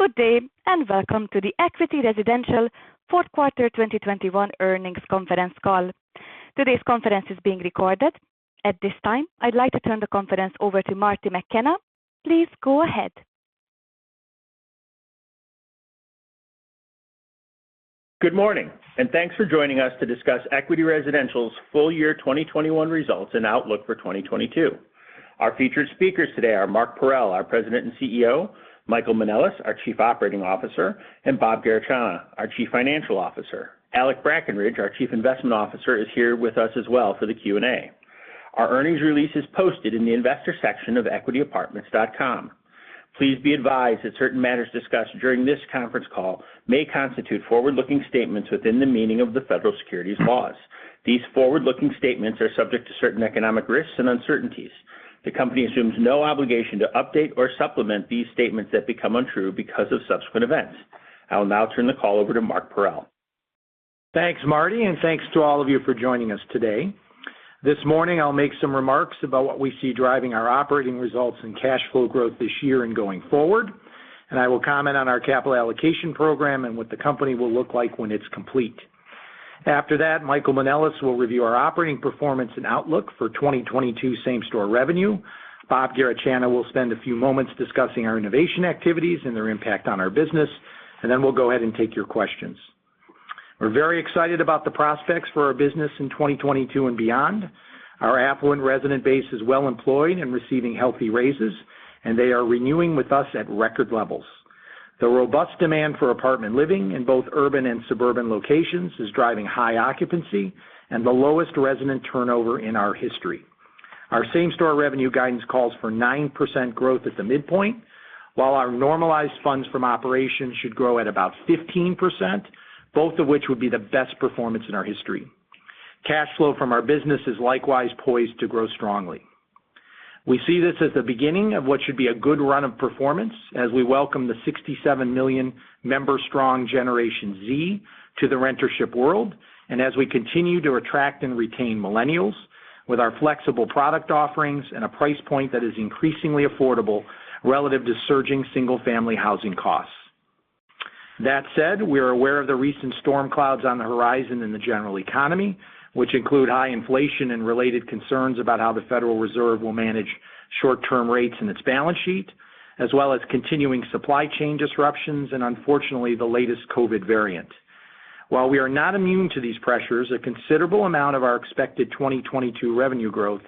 Good day, and welcome to the Equity Residential fourth quarter 2021 earnings conference call. Today's conference is being recorded. At this time, I'd like to turn the conference over to Marty McKenna. Please go ahead. Good morning, and thanks for joining us to discuss Equity Residential's full year 2021 results and outlook for 2022. Our featured speakers today are Mark Parrell, our President and CEO, Michael Manelis, our Chief Operating Officer, and Bob Garechana, our Chief Financial Officer. Alec Brackenridge, our Chief Investment Officer, is here with us as well for the Q&A. Our earnings release is posted in the investor section of equityapartments.com. Please be advised that certain matters discussed during this conference call may constitute forward-looking statements within the meaning of the federal securities laws. These forward-looking statements are subject to certain economic risks and uncertainties. The company assumes no obligation to update or supplement these statements that become untrue because of subsequent events. I'll now turn the call over to Mark Parrell. Thanks, Marty, and thanks to all of you for joining us today. This morning, I'll make some remarks about what we see driving our operating results and cash flow growth this year and going forward, and I will comment on our capital allocation program and what the company will look like when it's complete. After that, Michael Manelis will review our operating performance and outlook for 2022 same-store revenue. Bob Garechana will spend a few moments discussing our innovation activities and their impact on our business, and then we'll go ahead and take your questions. We're very excited about the prospects for our business in 2022 and beyond. Our affluent resident base is well-employed and receiving healthy raises, and they are renewing with us at record levels. The robust demand for apartment living in both urban and suburban locations is driving high occupancy and the lowest resident turnover in our history. Our same-store revenue guidance calls for 9% growth at the midpoint, while our normalized funds from operations should grow at about 15%, both of which would be the best performance in our history. Cash flow from our business is likewise poised to grow strongly. We see this as the beginning of what should be a good run of performance as we welcome the 67 million member-strong Generation Z to the rentership world and as we continue to attract and retain millennials with our flexible product offerings and a price point that is increasingly affordable relative to surging single-family housing costs. That said, we are aware of the recent storm clouds on the horizon in the general economy, which include high inflation and related concerns about how the Federal Reserve will manage short-term rates in its balance sheet, as well as continuing supply chain disruptions and unfortunately the latest COVID variant. While we are not immune to these pressures, a considerable amount of our expected 2022 revenue growth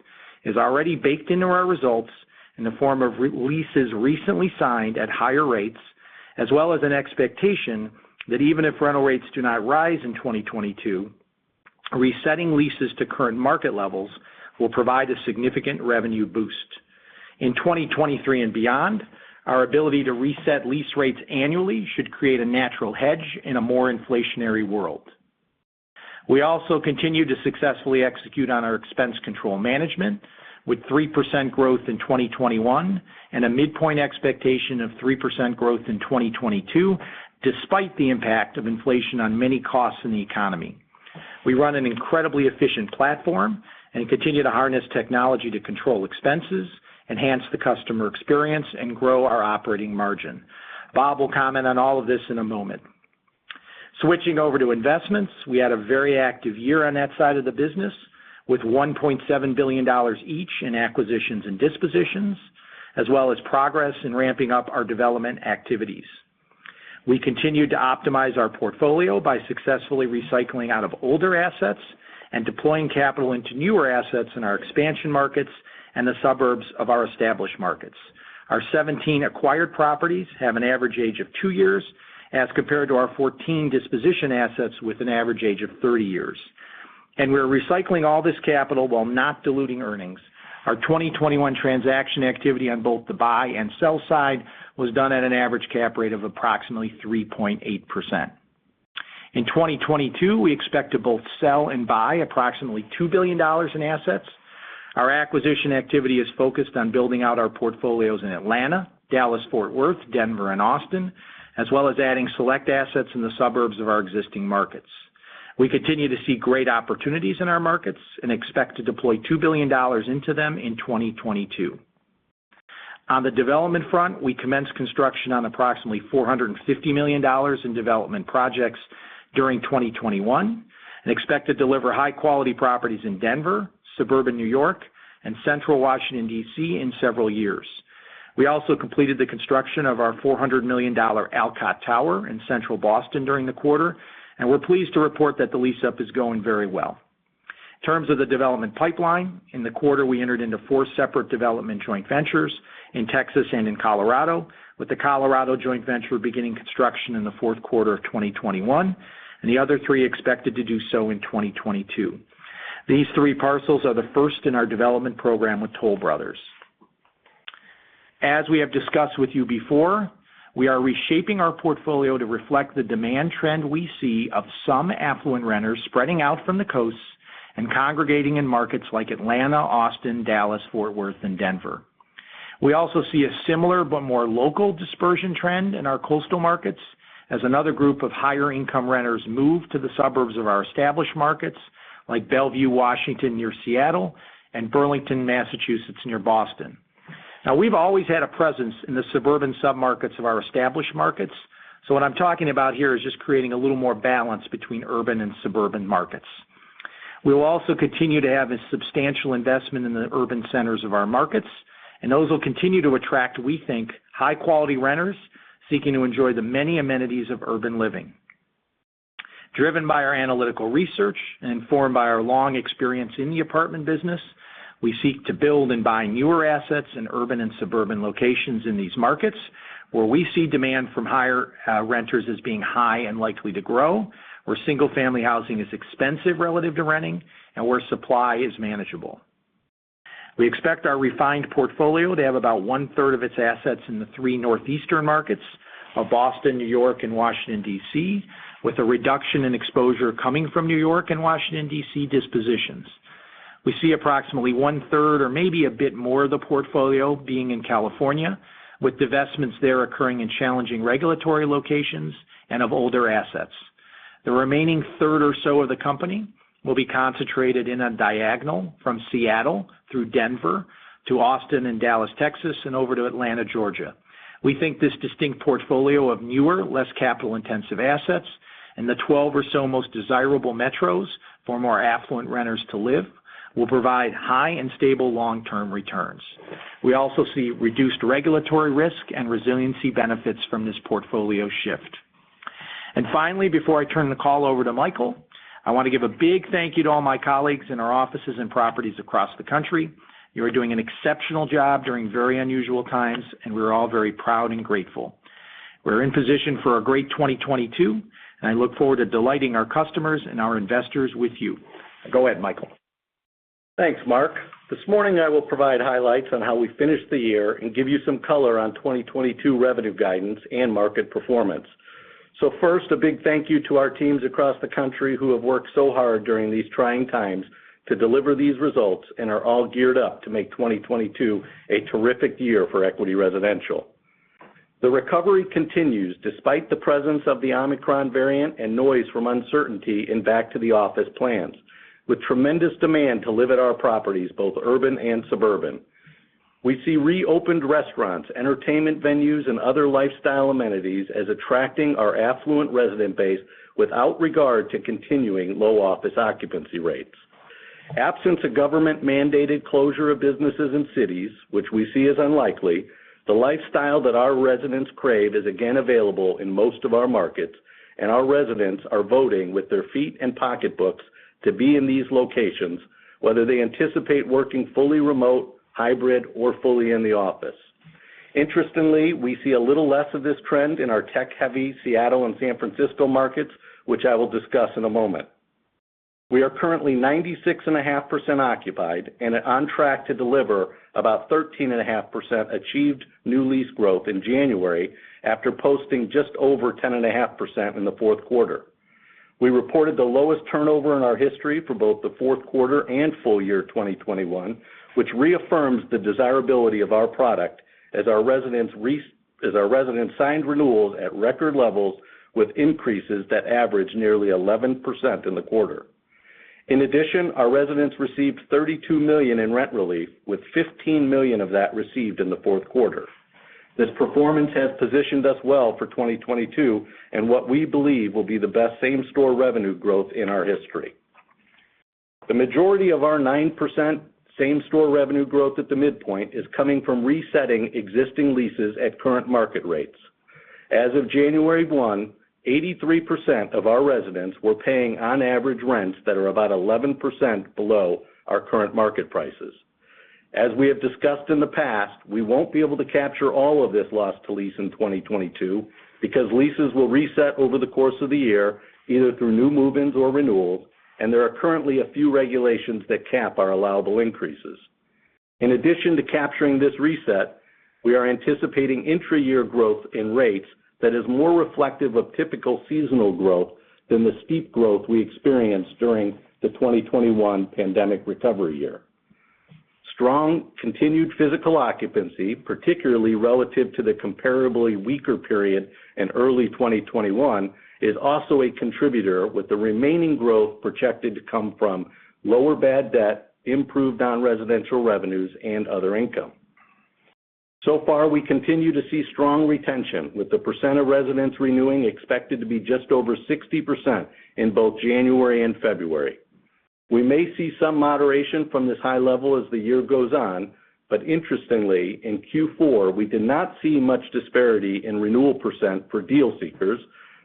is already baked into our results in the form of re-leases recently signed at higher rates, as well as an expectation that even if rental rates do not rise in 2022, resetting leases to current market levels will provide a significant revenue boost. In 2023 and beyond, our ability to reset lease rates annually should create a natural hedge in a more inflationary world. We also continue to successfully execute on our expense control management with 3% growth in 2021 and a midpoint expectation of 3% growth in 2022 despite the impact of inflation on many costs in the economy. We run an incredibly efficient platform and continue to harness technology to control expenses, enhance the customer experience, and grow our operating margin. Bob will comment on all of this in a moment. Switching over to investments, we had a very active year on that side of the business with $1.7 billion each in acquisitions and dispositions, as well as progress in ramping up our development activities. We continued to optimize our portfolio by successfully recycling out of older assets and deploying capital into newer assets in our expansion markets and the suburbs of our established markets. Our 17 acquired properties have an average age of two years as compared to our 14 disposition assets with an average age of 30 years. We're recycling all this capital while not diluting earnings. Our 2021 transaction activity on both the buy and sell side was done at an average cap rate of approximately 3.8%. In 2022, we expect to both sell and buy approximately $2 billion in assets. Our acquisition activity is focused on building out our portfolios in Atlanta, Dallas Fort Worth, Denver, and Austin, as well as adding select assets in the suburbs of our existing markets. We continue to see great opportunities in our markets and expect to deploy $2 billion into them in 2022. On the development front, we commenced construction on approximately $450 million in development projects during 2021 and expect to deliver high-quality properties in Denver, suburban New York, and central Washington, D.C. in several years. We also completed the construction of our $400 million Alcott Tower in central Boston during the quarter, and we're pleased to report that the lease-up is going very well. In terms of the development pipeline, in the quarter we entered into four separate development joint ventures in Texas and in Colorado, with the Colorado joint venture beginning construction in the fourth quarter of 2021, and the other three expected to do so in 2022. These three parcels are the first in our development program with Toll Brothers. As we have discussed with you before, we are reshaping our portfolio to reflect the demand trend we see of some affluent renters spreading out from the coasts and congregating in markets like Atlanta, Austin, Dallas, Fort Worth, and Denver. We also see a similar but more local dispersion trend in our coastal markets. As another group of higher income renters move to the suburbs of our established markets, like Bellevue, Washington, near Seattle, and Burlington, Massachusetts, near Boston. Now we've always had a presence in the suburban submarkets of our established markets. So what I'm talking about here is just creating a little more balance between urban and suburban markets. We will also continue to have a substantial investment in the urban centers of our markets, and those will continue to attract, we think, high-quality renters seeking to enjoy the many amenities of urban living. Driven by our analytical research and informed by our long experience in the apartment business, we seek to build and buy newer assets in urban and suburban locations in these markets where we see demand from higher, renters as being high and likely to grow, where single-family housing is expensive relative to renting, and where supply is manageable. We expect our refined portfolio to have about one-third of its assets in the three northeastern markets of Boston, New York, and Washington, D.C., with a reduction in exposure coming from New York and Washington, D.C. dispositions. We see approximately one-third or maybe a bit more of the portfolio being in California, with divestments there occurring in challenging regulatory locations and of older assets. The remaining third or so of the company will be concentrated in a diagonal from Seattle through Denver to Austin and Dallas, Texas, and over to Atlanta, Georgia. We think this distinct portfolio of newer, less capital-intensive assets in the 12 or so most desirable metros for more affluent renters to live will provide high and stable long-term returns. We also see reduced regulatory risk and resiliency benefits from this portfolio shift. Finally, before I turn the call over to Michael, I want to give a big thank you to all my colleagues in our offices and properties across the country. You are doing an exceptional job during very unusual times, and we're all very proud and grateful. We're in position for a great 2022, and I look forward to delighting our customers and our investors with you. Go ahead, Michael. Thanks, Mark. This morning, I will provide highlights on how we finished the year and give you some color on 2022 revenue guidance and market performance. First, a big thank you to our teams across the country who have worked so hard during these trying times to deliver these results and are all geared up to make 2022 a terrific year for Equity Residential. The recovery continues despite the presence of the Omicron variant and noise from uncertainty in back to the office plans with tremendous demand to live at our properties, both urban and suburban. We see reopened restaurants, entertainment venues, and other lifestyle amenities as attracting our affluent resident base without regard to continuing low office occupancy rates. Absence of government-mandated closure of businesses and cities, which we see as unlikely, the lifestyle that our residents crave is again available in most of our markets, and our residents are voting with their feet and pocketbooks to be in these locations, whether they anticipate working fully remote, hybrid, or fully in the office. Interestingly, we see a little less of this trend in our tech-heavy Seattle and San Francisco markets, which I will discuss in a moment. We are currently 96.5% occupied and on track to deliver about 13.5% achieved new lease growth in January after posting just over 10.5% in the fourth quarter. We reported the lowest turnover in our history for both the fourth quarter and full year 2021, which reaffirms the desirability of our product as our residents signed renewals at record levels with increases that average nearly 11% in the quarter. In addition, our residents received $32 million in rent relief, with $15 million of that received in the fourth quarter. This performance has positioned us well for 2022 and what we believe will be the best same-store revenue growth in our history. The majority of our 9% same-store revenue growth at the midpoint is coming from resetting existing leases at current market rates. As of January 1, 83% of our residents were paying on average rents that are about 11% below our current market prices. As we have discussed in the past, we won't be able to capture all of this loss to lease in 2022 because leases will reset over the course of the year, either through new move-ins or renewals, and there are currently a few regulations that cap our allowable increases. In addition to capturing this reset, we are anticipating intra-year growth in rates that is more reflective of typical seasonal growth than the steep growth we experienced during the 2021 pandemic recovery year. Strong continued physical occupancy, particularly relative to the comparably weaker period in early 2021, is also a contributor with the remaining growth projected to come from lower bad debt, improved non-residential revenues, and other income. So far, we continue to see strong retention, with the percent of residents renewing expected to be just over 60% in both January and February. We may see some moderation from this high level as the year goes on, but interestingly, in Q4, we did not see much disparity in renewal percent for deal seekers,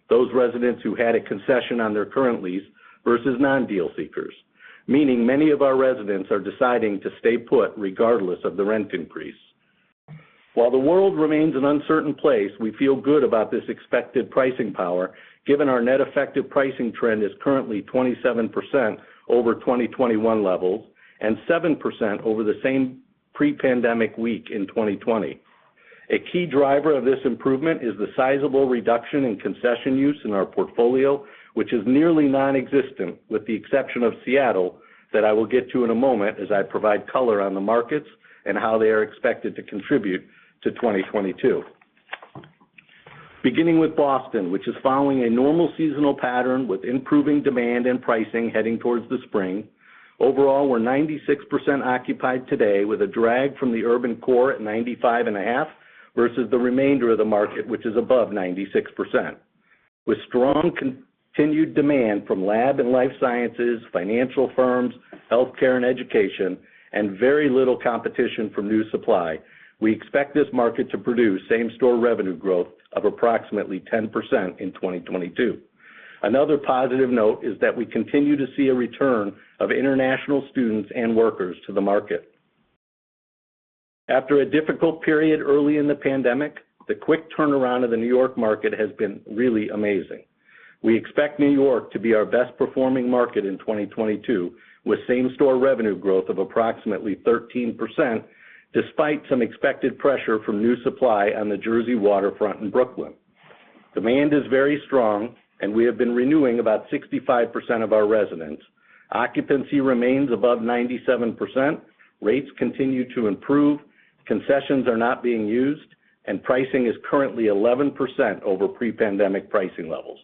those residents who had a concession on their current lease, versus non-deal seekers, meaning many of our residents are deciding to stay put regardless of the rent increase. While the world remains an uncertain place, we feel good about this expected pricing power, given our net effective pricing trend is currently 27% over 2021 levels and 7% over the same pre-pandemic week in 2020. A key driver of this improvement is the sizable reduction in concession use in our portfolio, which is nearly non-existent, with the exception of Seattle, that I will get to in a moment as I provide color on the markets and how they are expected to contribute to 2022. Beginning with Boston, which is following a normal seasonal pattern with improving demand and pricing heading towards the spring. Overall, we're 96% occupied today with a drag from the urban core at 95.5%, versus the remainder of the market, which is above 96%. With strong continued demand from lab and life sciences, financial firms, healthcare and education, and very little competition from new supply, we expect this market to produce same-store revenue growth of approximately 10% in 2022. Another positive note is that we continue to see a return of international students and workers to the market. After a difficult period early in the pandemic, the quick turnaround of the New York market has been really amazing. We expect New York to be our best performing market in 2022, with same-store revenue growth of approximately 13% despite some expected pressure from new supply on the Jersey waterfront in Brooklyn. Demand is very strong, and we have been renewing about 65% of our residents. Occupancy remains above 97%. Rates continue to improve. Concessions are not being used, and pricing is currently 11% over pre-pandemic pricing levels.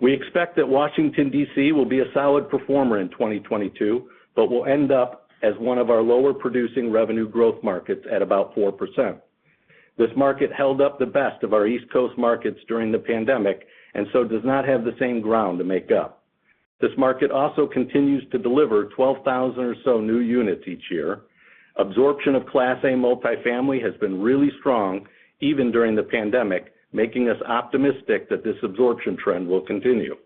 We expect that Washington, D.C., will be a solid performer in 2022, but will end up as one of our lower producing revenue growth markets at about 4%. This market held up the best of our East Coast markets during the pandemic, and so does not have the same ground to make up. This market also continues to deliver 12,000 or so new units each year. Absorption of Class A multifamily has been really strong even during the pandemic, making us optimistic that this absorption trend will continue.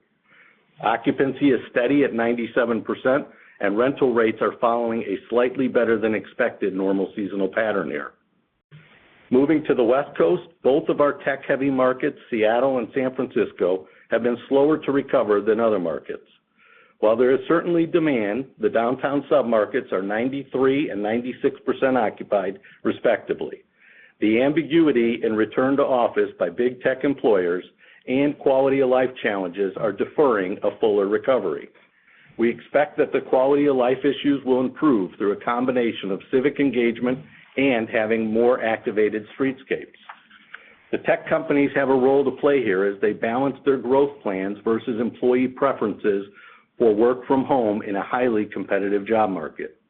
Occupancy is steady at 97%, and rental rates are following a slightly better than expected normal seasonal pattern here. Moving to the West Coast, both of our tech-heavy markets, Seattle and San Francisco, have been slower to recover than other markets. While there is certainly demand, the downtown submarkets are 93% and 96% occupied, respectively. The ambiguity in return to office by big tech employers and quality of life challenges are deferring a fuller recovery. We expect that the quality of life issues will improve through a combination of civic engagement and having more activated streetscapes. The tech companies have a role to play here as they balance their growth plans versus employee preferences for work from home in a highly competitive job market.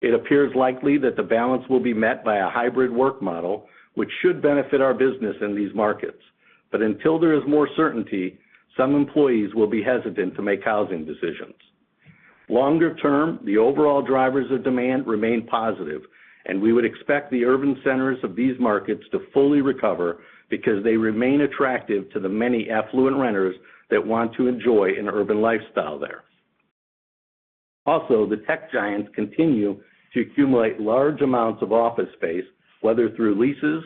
It appears likely that the balance will be met by a hybrid work model, which should benefit our business in these markets. Until there is more certainty, some employees will be hesitant to make housing decisions. Longer term, the overall drivers of demand remain positive, and we would expect the urban centers of these markets to fully recover because they remain attractive to the many affluent renters that want to enjoy an urban lifestyle there. Also, the tech giants continue to accumulate large amounts of office space, whether through leases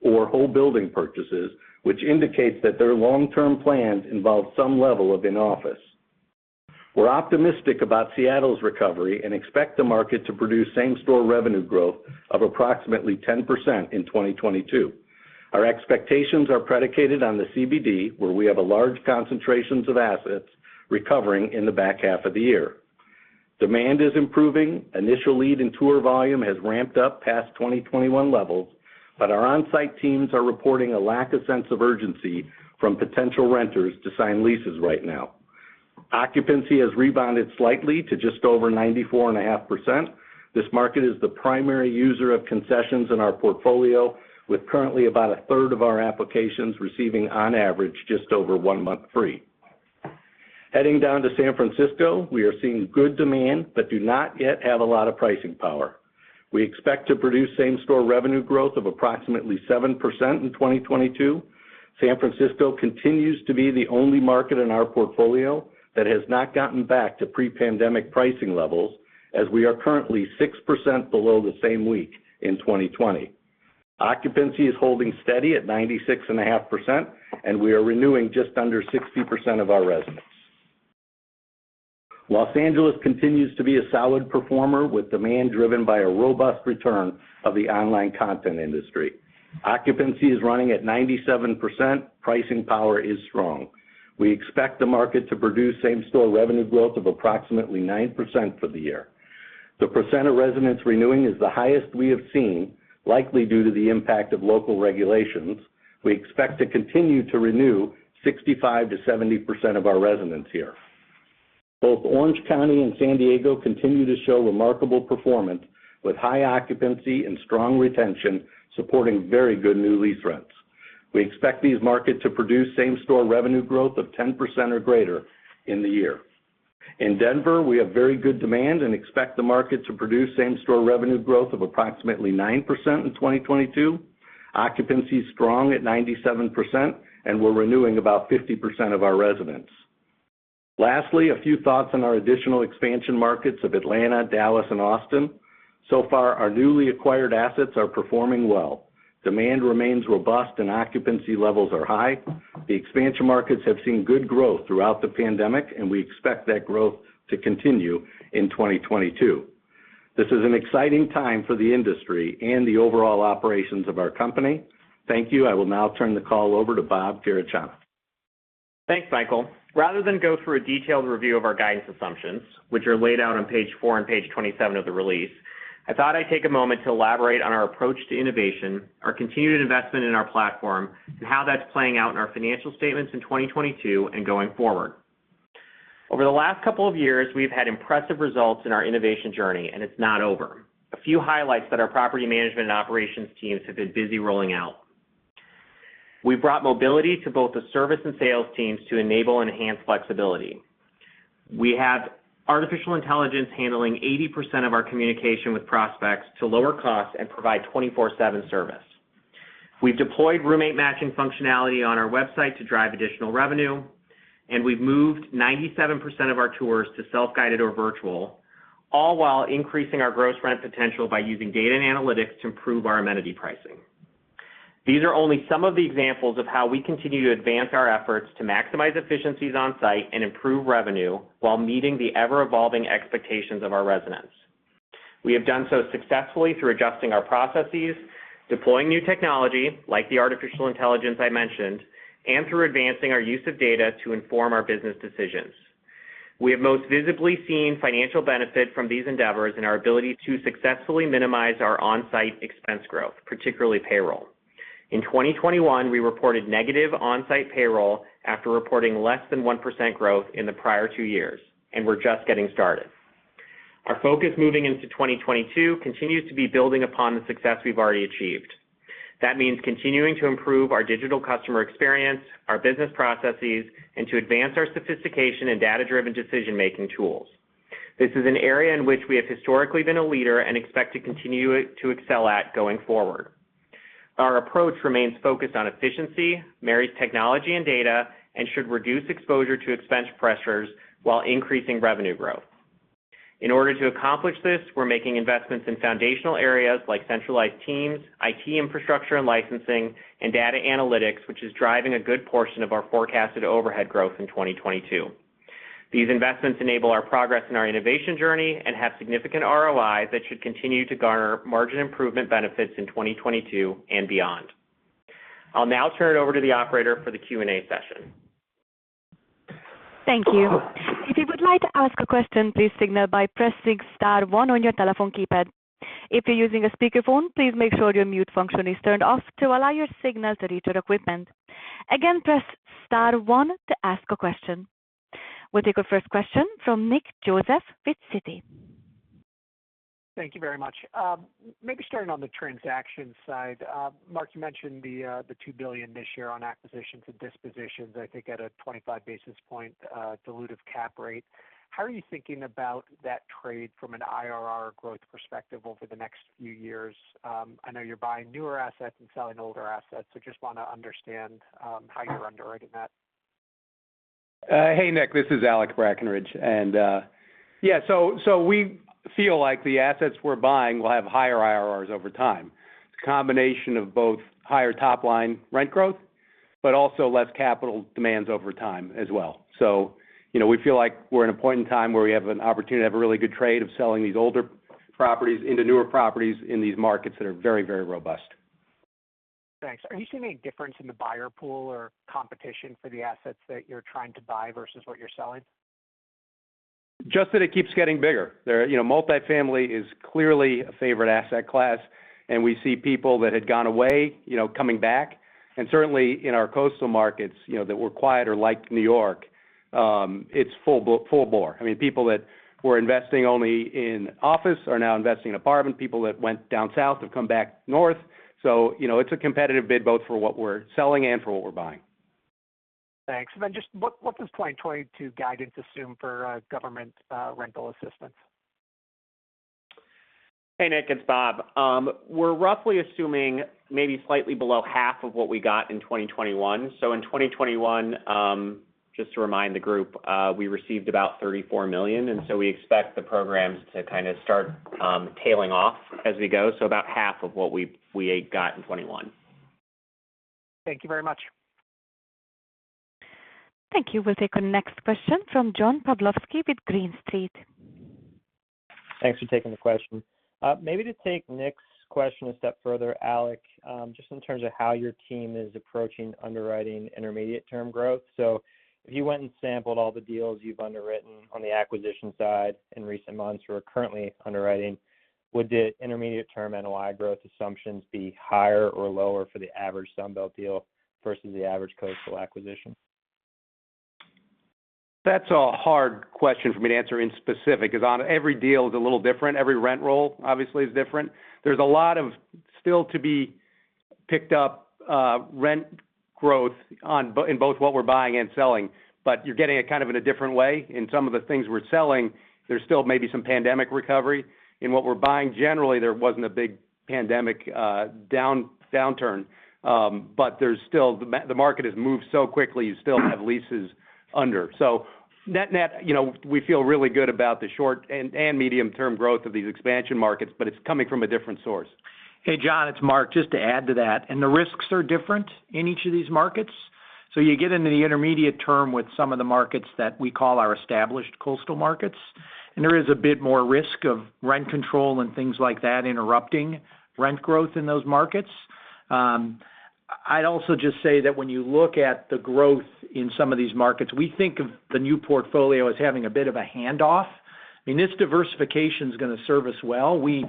or whole building purchases, which indicates that their long term plans involve some level of in-office. We're optimistic about Seattle's recovery and expect the market to produce same-store revenue growth of approximately 10% in 2022. Our expectations are predicated on the CBD, where we have a large concentrations of assets recovering in the back half of the year. Demand is improving. Initial lead and tour volume has ramped up past 2021 levels, but our on-site teams are reporting a lack of sense of urgency from potential renters to sign leases right now. Occupancy has rebounded slightly to just over 94.5%. This market is the primary user of concessions in our portfolio, with currently about a third of our applications receiving on average just over one month free. Heading down to San Francisco, we are seeing good demand but do not yet have a lot of pricing power. We expect to produce same-store revenue growth of approximately 7% in 2022. San Francisco continues to be the only market in our portfolio that has not gotten back to pre-pandemic pricing levels as we are currently 6% below the same week in 2020. Occupancy is holding steady at 96.5%, and we are renewing just under 60% of our residents. Los Angeles continues to be a solid performer with demand driven by a robust return of the online content industry. Occupancy is running at 97%. Pricing power is strong. We expect the market to produce same-store revenue growth of approximately 9% for the year. The percent of residents renewing is the highest we have seen, likely due to the impact of local regulations. We expect to continue to renew 65%-70% of our residents here. Both Orange County and San Diego continue to show remarkable performance with high occupancy and strong retention supporting very good new lease rents. We expect these markets to produce same-store revenue growth of 10% or greater in the year. In Denver, we have very good demand and expect the market to produce same-store revenue growth of approximately 9% in 2022. Occupancy is strong at 97%, and we're renewing about 50% of our residents. Lastly, a few thoughts on our additional expansion markets of Atlanta, Dallas and Austin. So far, our newly acquired assets are performing well. Demand remains robust and occupancy levels are high. The expansion markets have seen good growth throughout the pandemic, and we expect that growth to continue in 2022. This is an exciting time for the industry and the overall operations of our company. Thank you. I will now turn the call over to Bob Garechana. Thanks, Michael. Rather than go through a detailed review of our guidance assumptions, which are laid out on page four and page 27 of the release, I thought I'd take a moment to elaborate on our approach to innovation, our continued investment in our platform, and how that's playing out in our financial statements in 2022 and going forward. Over the last couple of years, we've had impressive results in our innovation journey, and it's not over. A few highlights that our property management and operations teams have been busy rolling out. We've brought mobility to both the service and sales teams to enable enhanced flexibility. We have artificial intelligence handling 80% of our communication with prospects to lower costs and provide 24/7 service. We've deployed roommate matching functionality on our website to drive additional revenue, and we've moved 97% of our tours to self-guided or virtual, all while increasing our gross rent potential by using data and analytics to improve our amenity pricing. These are only some of the examples of how we continue to advance our efforts to maximize efficiencies on-site and improve revenue while meeting the ever-evolving expectations of our residents. We have done so successfully through adjusting our processes, deploying new technology, like the artificial intelligence I mentioned, and through advancing our use of data to inform our business decisions. We have most visibly seen financial benefit from these endeavors in our ability to successfully minimize our on-site expense growth, particularly payroll. In 2021, we reported negative on-site payroll after reporting less than 1% growth in the prior two years, and we're just getting started. Our focus moving into 2022 continues to be building upon the success we've already achieved. That means continuing to improve our digital customer experience, our business processes, and to advance our sophistication in data-driven decision-making tools. This is an area in which we have historically been a leader and expect to continue to excel at going forward. Our approach remains focused on efficiency, marries technology and data, and should reduce exposure to expense pressures while increasing revenue growth. In order to accomplish this, we're making investments in foundational areas like centralized teams, IT infrastructure and licensing, and data analytics, which is driving a good portion of our forecasted overhead growth in 2022. These investments enable our progress in our innovation journey and have significant ROI that should continue to garner margin improvement benefits in 2022 and beyond. I'll now turn it over to the operator for the Q&A session. Thank you. If you would like to ask a question, please signal by pressing star one on your telephone keypad. If you're using a speakerphone, please make sure your mute function is turned off to allow your signal to reach our equipment. Again, press star one to ask a question. We'll take our first question from Nick Joseph with Citi. Thank you very much. Maybe starting on the transaction side. Mark, you mentioned the $2 billion this year on acquisitions and dispositions, I think at a 25 basis point dilutive cap rate. How are you thinking about that trade from an IRR growth perspective over the next few years? I know you're buying newer assets and selling older assets, so just wanna understand how you're underwriting that. Hey, Nick. This is Alec Brackenridge. We feel like the assets we're buying will have higher IRRs over time. It's a combination of both higher top-line rent growth, but also less capital demands over time as well. You know, we feel like we're in a point in time where we have an opportunity to have a really good trade of selling these older properties into newer properties in these markets that are very, very robust. Thanks. Are you seeing any difference in the buyer pool or competition for the assets that you're trying to buy versus what you're selling? Just that it keeps getting bigger. There, you know, multifamily is clearly a favorite asset class, and we see people that had gone away, you know, coming back. Certainly in our coastal markets, you know, that were quiet or like New York, it's full bore. I mean, people that were investing only in office are now investing in apartment. People that went down south have come back north. You know, it's a competitive bid both for what we're selling and for what we're buying. Thanks. Then just what does 2022 guidance assume for government rental assistance? Hey, Nick, it's Bob. We're roughly assuming maybe slightly below half of what we got in 2021. In 2021, just to remind the group, we received about $34 million, and so we expect the programs to kind of start tailing off as we go. About half of what we got in 2021. Thank you very much. Thank you. We'll take our next question from John Pawlowski with Green Street. Thanks for taking the question. Maybe to take Nick's question a step further, Alec, just in terms of how your team is approaching underwriting intermediate term growth. If you went and sampled all the deals you've underwritten on the acquisition side in recent months or are currently underwriting, would the intermediate term NOI growth assumptions be higher or lower for the average Sunbelt deal versus the average coastal acquisition? That's a hard question for me to answer in specifics, because every deal is a little different. Every rent roll obviously is different. There's still a lot to be picked up, rent growth in both what we're buying and selling, but you're getting it kind of in a different way. In some of the things we're selling, there's still maybe some pandemic recovery. In what we're buying, generally, there wasn't a big pandemic downturn. The market has moved so quickly, you still have leases under. Net-net, you know, we feel really good about the short- and medium-term growth of these expansion markets, but it's coming from a different source. Hey, John, it's Mark. Just to add to that, the risks are different in each of these markets. You get into the intermediate term with some of the markets that we call our established coastal markets. There is a bit more risk of rent control and things like that interrupting rent growth in those markets. I'd also just say that when you look at the growth in some of these markets, we think of the new portfolio as having a bit of a handoff. I mean, this diversification is gonna serve us well. We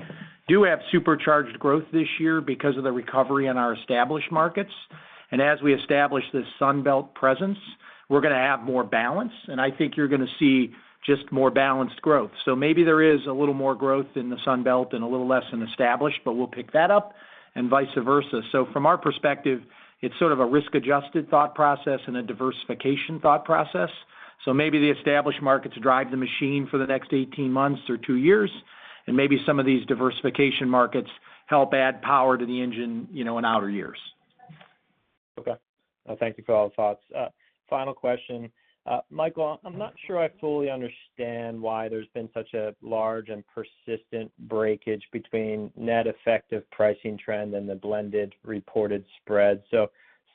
do have supercharged growth this year because of the recovery in our established markets. As we establish this Sunbelt presence, we're gonna have more balance, and I think you're gonna see just more balanced growth. Maybe there is a little more growth in the Sun Belt and a little less in established, but we'll pick that up and vice versa. From our perspective, it's sort of a risk-adjusted thought process and a diversification thought process. Maybe the established markets drive the machine for the next 18 months or two years, and maybe some of these diversification markets help add power to the engine, you know, in outer years. Okay. Thank you for all the thoughts. Final question. Michael, I'm not sure I fully understand why there's been such a large and persistent breakage between net effective pricing trend and the blended reported spread.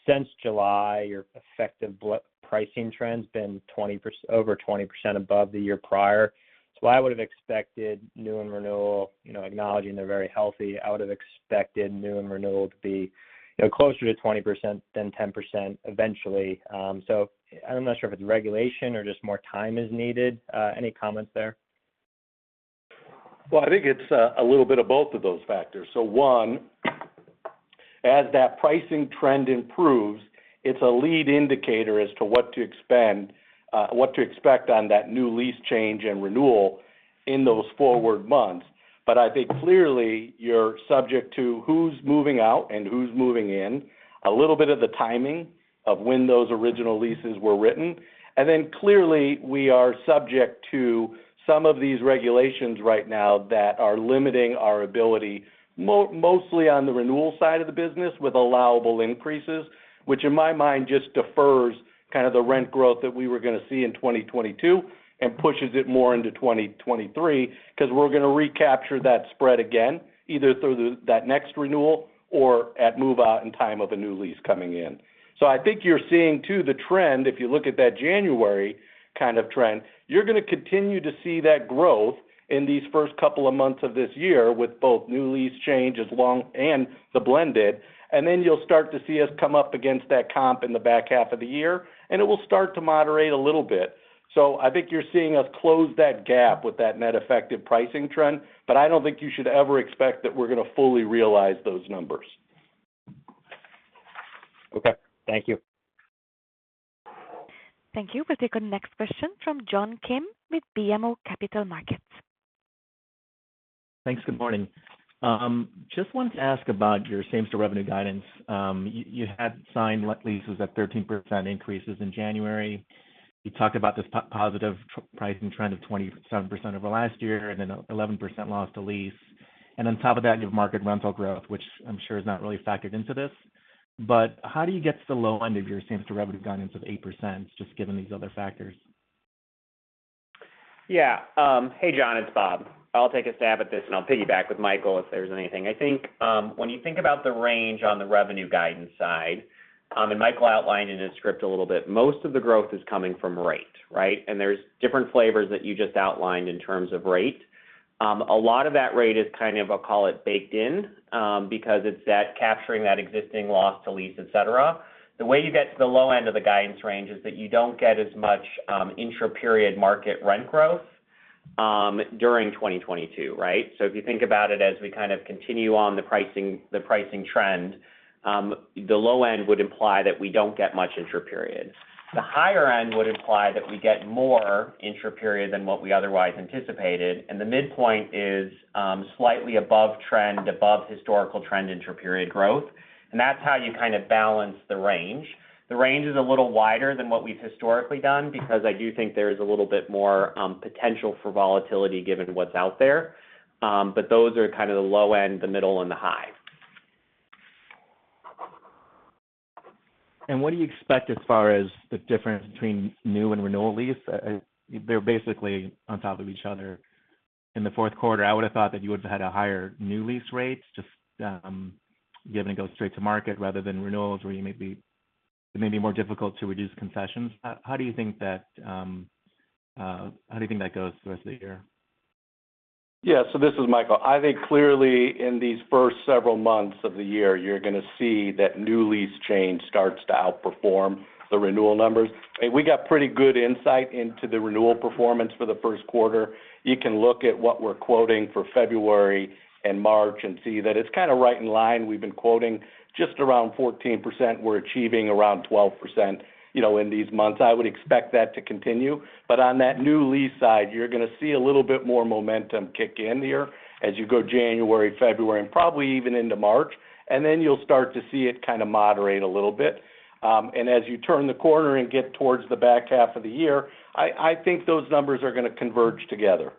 Since July, your effective pricing trend's been 20% over 20% above the year prior. I would have expected new and renewal, you know, acknowledging they're very healthy, I would have expected new and renewal to be, you know, closer to 20% than 10% eventually. I'm not sure if it's regulation or just more time is needed. Any comments there? I think it's a little bit of both of those factors. One, as that pricing trend improves, it's a lead indicator as to what to expect on that new lease change and renewal in those forward months. I think clearly, you're subject to who's moving out and who's moving in, a little bit of the timing of when those original leases were written. Then clearly, we are subject to some of these regulations right now that are limiting our ability, mostly on the renewal side of the business with allowable increases, which in my mind just defers kind of the rent growth that we were gonna see in 2022 and pushes it more into 2023, because we're gonna recapture that spread again, either through that next renewal or at move-out and time of a new lease coming in. I think you're seeing too, the trend, if you look at that January kind of trend, you're going to continue to see that growth in these first couple of months of this year with both new lease change and the blended. Then you'll start to see us come up against that comp in the back half of the year, and it will start to moderate a little bit. I think you're seeing us close that gap with that net effective pricing trend, but I don't think you should ever expect that we're gonna fully realize those numbers. Okay. Thank you. Thank you. We'll take our next question from John Kim with BMO Capital Markets. Thanks. Good morning. Just wanted to ask about your same-store revenue guidance. You had signed new leases at 13% increases in January. You talked about this positive pricing trend of 27% over last year and then 11% loss to lease. On top of that, you have market rental growth, which I'm sure is not really factored into this. How do you get to the low end of your same-store revenue guidance of 8% just given these other factors? Yeah. Hey, John, it's Bob. I'll take a stab at this, and I'll piggyback with Michael if there's anything. I think, when you think about the range on the revenue guidance side, and Michael outlined in his script a little bit, most of the growth is coming from rate, right? There's different flavors that you just outlined in terms of rate. A lot of that rate is kind of, I'll call it, baked in, because it's capturing that existing loss to lease, et cetera. The way you get to the low end of the guidance range is that you don't get as much, intra-period market rent growth, during 2022, right? If you think about it as we kind of continue on the pricing, the pricing trend, the low end would imply that we don't get much intra-period. The higher end would imply that we get more intra-period than what we otherwise anticipated. The midpoint is slightly above trend, above historical trend intra-period growth. That's how you kind of balance the range. The range is a little wider than what we've historically done because I do think there is a little bit more potential for volatility given what's out there. But those are kind of the low end, the middle and the high. What do you expect as far as the difference between new and renewal lease? They're basically on top of each other. In the fourth quarter, I would have thought that you would have had a higher new lease rate just, given it goes straight to market rather than renewals where it may be more difficult to reduce concessions. How do you think that goes the rest of the year? Yeah. This is Michael. I think clearly in these first several months of the year, you're gonna see that new lease change starts to outperform the renewal numbers. We got pretty good insight into the renewal performance for the first quarter. You can look at what we're quoting for February and March and see that it's kind of right in line. We've been quoting just around 14%. We're achieving around 12%, you know, in these months. I would expect that to continue. On that new lease side, you're going to see a little bit more momentum kick in here as you go January, February, and probably even into March. Then you'll start to see it kind of moderate a little bit. As you turn the corner and get towards the back half of the year, I think those numbers are going to converge together.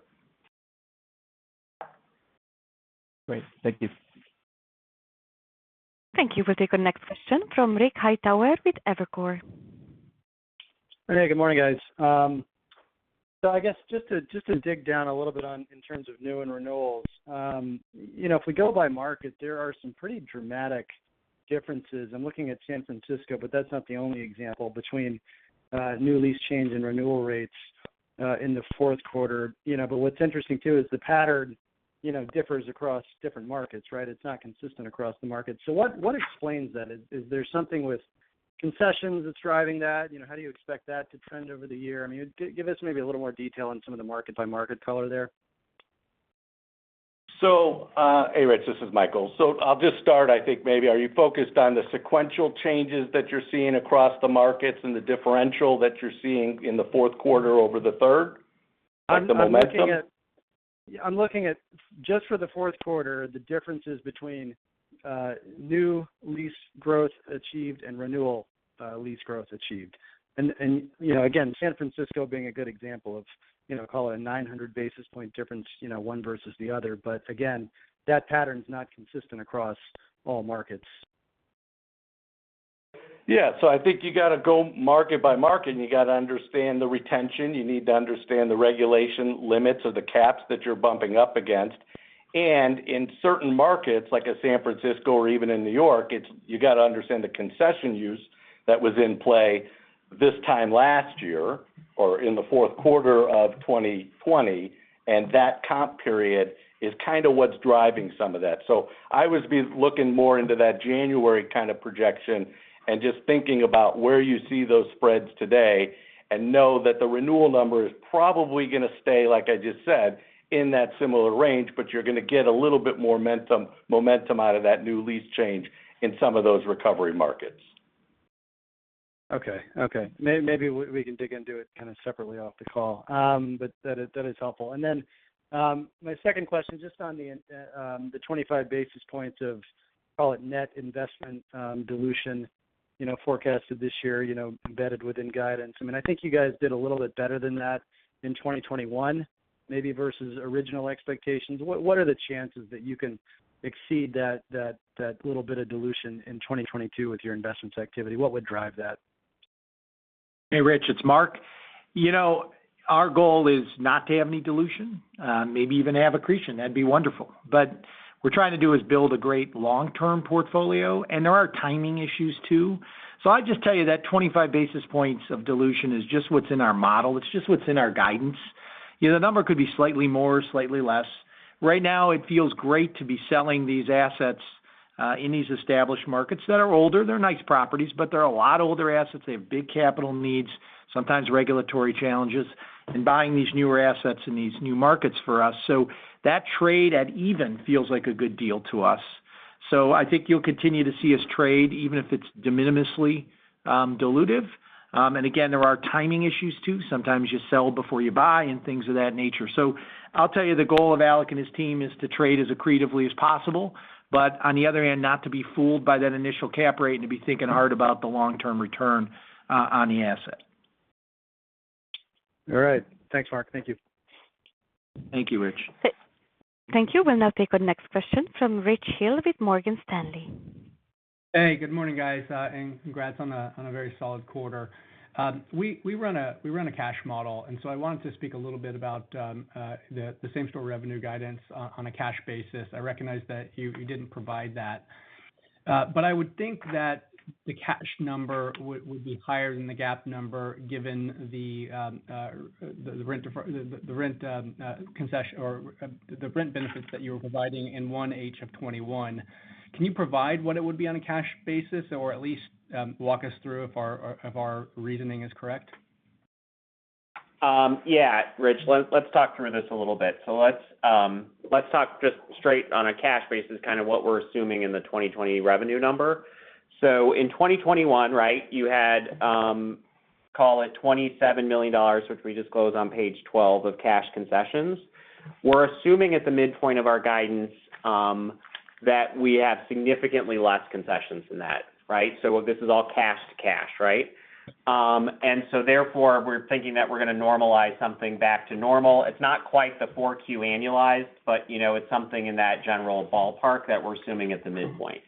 Great. Thank you. Thank you. We'll take our next question from Rich Hightower with Evercore. Hey, good morning, guys. I guess just to dig down a little bit on in terms of new and renewals, you know, if we go by market, there are some pretty dramatic differences. I'm looking at San Francisco, but that's not the only example between new lease change and renewal rates in the fourth quarter, you know. What's interesting too is the pattern, you know, differs across different markets, right? It's not consistent across the market. What explains that? Is there something with concessions that's driving that, you know? How do you expect that to trend over the year? I mean, give us maybe a little more detail on some of the market by market color there. Hey, Rich, this is Michael. I'll just start, I think maybe are you focused on the sequential changes that you're seeing across the markets and the differential that you're seeing in the fourth quarter over the third, like the momentum? I'm looking at just for the fourth quarter, the differences between new lease growth achieved and renewal lease growth achieved. You know, again, San Francisco being a good example of, you know, call it a 900 basis point difference, you know, one versus the other. Again, that pattern's not consistent across all markets. Yeah. I think you gotta go market by market, and you gotta understand the retention. You need to understand the regulation limits of the caps that you're bumping up against. In certain markets, like a San Francisco or even in New York, it's you gotta understand the concession use that was in play this time last year or in the fourth quarter of 2020, and that comp period is kinda what's driving some of that. I would be looking more into that January kind of projection and just thinking about where you see those spreads today, and know that the renewal number is probably gonna stay, like I just said, in that similar range, but you're gonna get a little bit more momentum out of that new lease change in some of those recovery markets. Okay. Okay. Maybe we can dig into it kind of separately off the call. That is helpful. My second question, just on the 25 basis points of, call it, net investment dilution, you know, forecasted this year, you know, embedded within guidance. I mean, I think you guys did a little bit better than that in 2021 maybe versus original expectations. What are the chances that you can exceed that little bit of dilution in 2022 with your investment activity? What would drive that? Hey, Rich, it's Mark. You know, our goal is not to have any dilution, maybe even have accretion. That'd be wonderful. We're trying to do is build a great long-term portfolio, and there are timing issues too. I'd just tell you that 25 basis points of dilution is just what's in our model. It's just what's in our guidance. You know, the number could be slightly more, slightly less. Right now it feels great to be selling these assets in these established markets that are older. They're nice properties, but they're a lot older assets. They have big capital needs, sometimes regulatory challenges in buying these newer assets in these new markets for us. That trade at even feels like a good deal to us. I think you'll continue to see us trade, even if it's de minimisly dilutive. Again, there are timing issues too. Sometimes you sell before you buy and things of that nature. I'll tell you the goal of Alec and his team is to trade as accretively as possible, but on the other hand, not to be fooled by that initial cap rate and to be thinking hard about the long-term return on the asset. All right. Thanks, Mark. Thank you. Thank you, Rich. Thank you. We'll now take our next question from Richard Hill with Morgan Stanley. Hey, good morning, guys, and congrats on a very solid quarter. We run a cash model, so I wanted to speak a little bit about the same-store revenue guidance on a cash basis. I recognize that you didn't provide that. I would think that the cash number would be higher than the GAAP number given the rent concession or the rent benefits that you were providing in 1H of 2021. Can you provide what it would be on a cash basis or at least walk us through if our reasoning is correct? Yeah, Rich. Let's talk through this a little bit. Let's talk just straight on a cash basis, kind of what we're assuming in the 2020 revenue number. In 2021, right, you had, call it $27 million, which we disclose on page 12 of cash concessions. We're assuming at the midpoint of our guidance, that we have significantly less concessions than that, right? This is all cash to cash, right? Therefore, we're thinking that we're gonna normalize something back to normal. It's not quite the 4Q annualized, but you know, it's something in that general ballpark that we're assuming at the midpoint.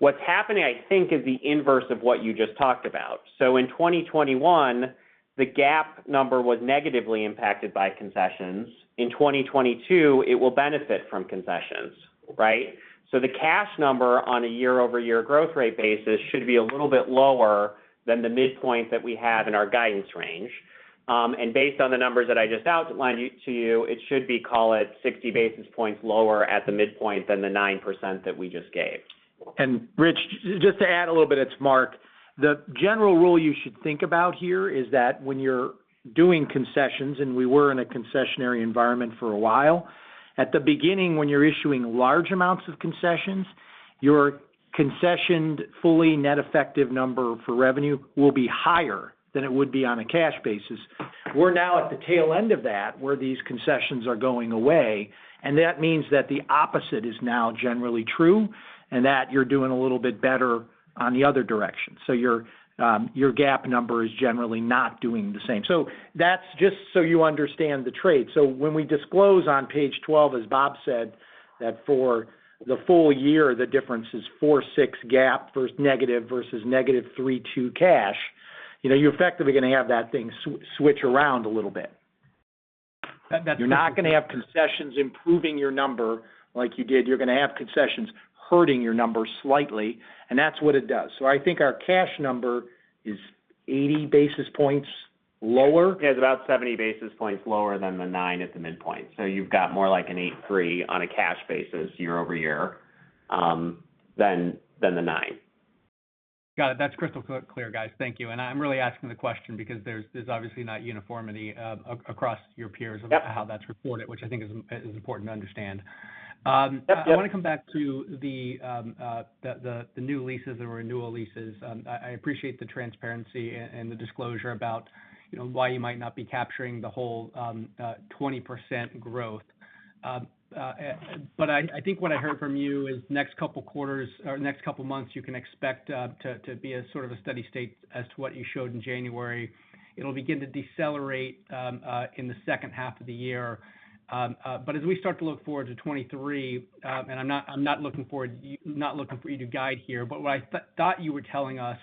What's happening, I think, is the inverse of what you just talked about. In 2021, the GAAP number was negatively impacted by concessions. In 2022, it will benefit from concessions, right? The cash number on a year-over-year growth rate basis should be a little bit lower than the midpoint that we have in our guidance range. Based on the numbers that I just outlined to you, it should be, call it, 60 basis points lower at the midpoint than the 9% that we just gave. Rich, just to add a little bit, it's Mark. The general rule you should think about here is that when you're doing concessions, and we were in a concessionary environment for a while, at the beginning when you're issuing large amounts of concessions, your concessioned fully net effective number for revenue will be higher than it would be on a cash basis. We're now at the tail end of that, where these concessions are going away, and that means that the opposite is now generally true and that you're doing a little bit better on the other direction. Your GAAP number is generally not doing the same. That's just so you understand the trade. When we disclose on page 12, as Bob said, that for the full year, the difference is 4.6% GAAP versus -3.2% cash. You know, you're effectively gonna have that thing switch around a little bit. You're not gonna have concessions improving your number like you did. You're gonna have concessions hurting your numbers slightly, and that's what it does. I think our cash number is 80 basis points lower. Yeah. It's about 70 basis points lower than the 9 at the midpoint. You've got more like an 8.3 on a cash basis year-over-year than the 9. Got it. That's crystal clear, guys. Thank you. I'm really asking the question because there's obviously not uniformity across your peers of how that's reported, which I think is important to understand. I wanna come back to the new leases and renewal leases. I appreciate the transparency and the disclosure about, you know, why you might not be capturing the whole 20% growth. I think what I heard from you is next couple quarters or next couple months, you can expect to be a sort of a steady state as to what you showed in January. It'll begin to decelerate in the second half of the year. As we start to look forward to 2023, and I'm not looking for you to guide here, but what I thought you were telling us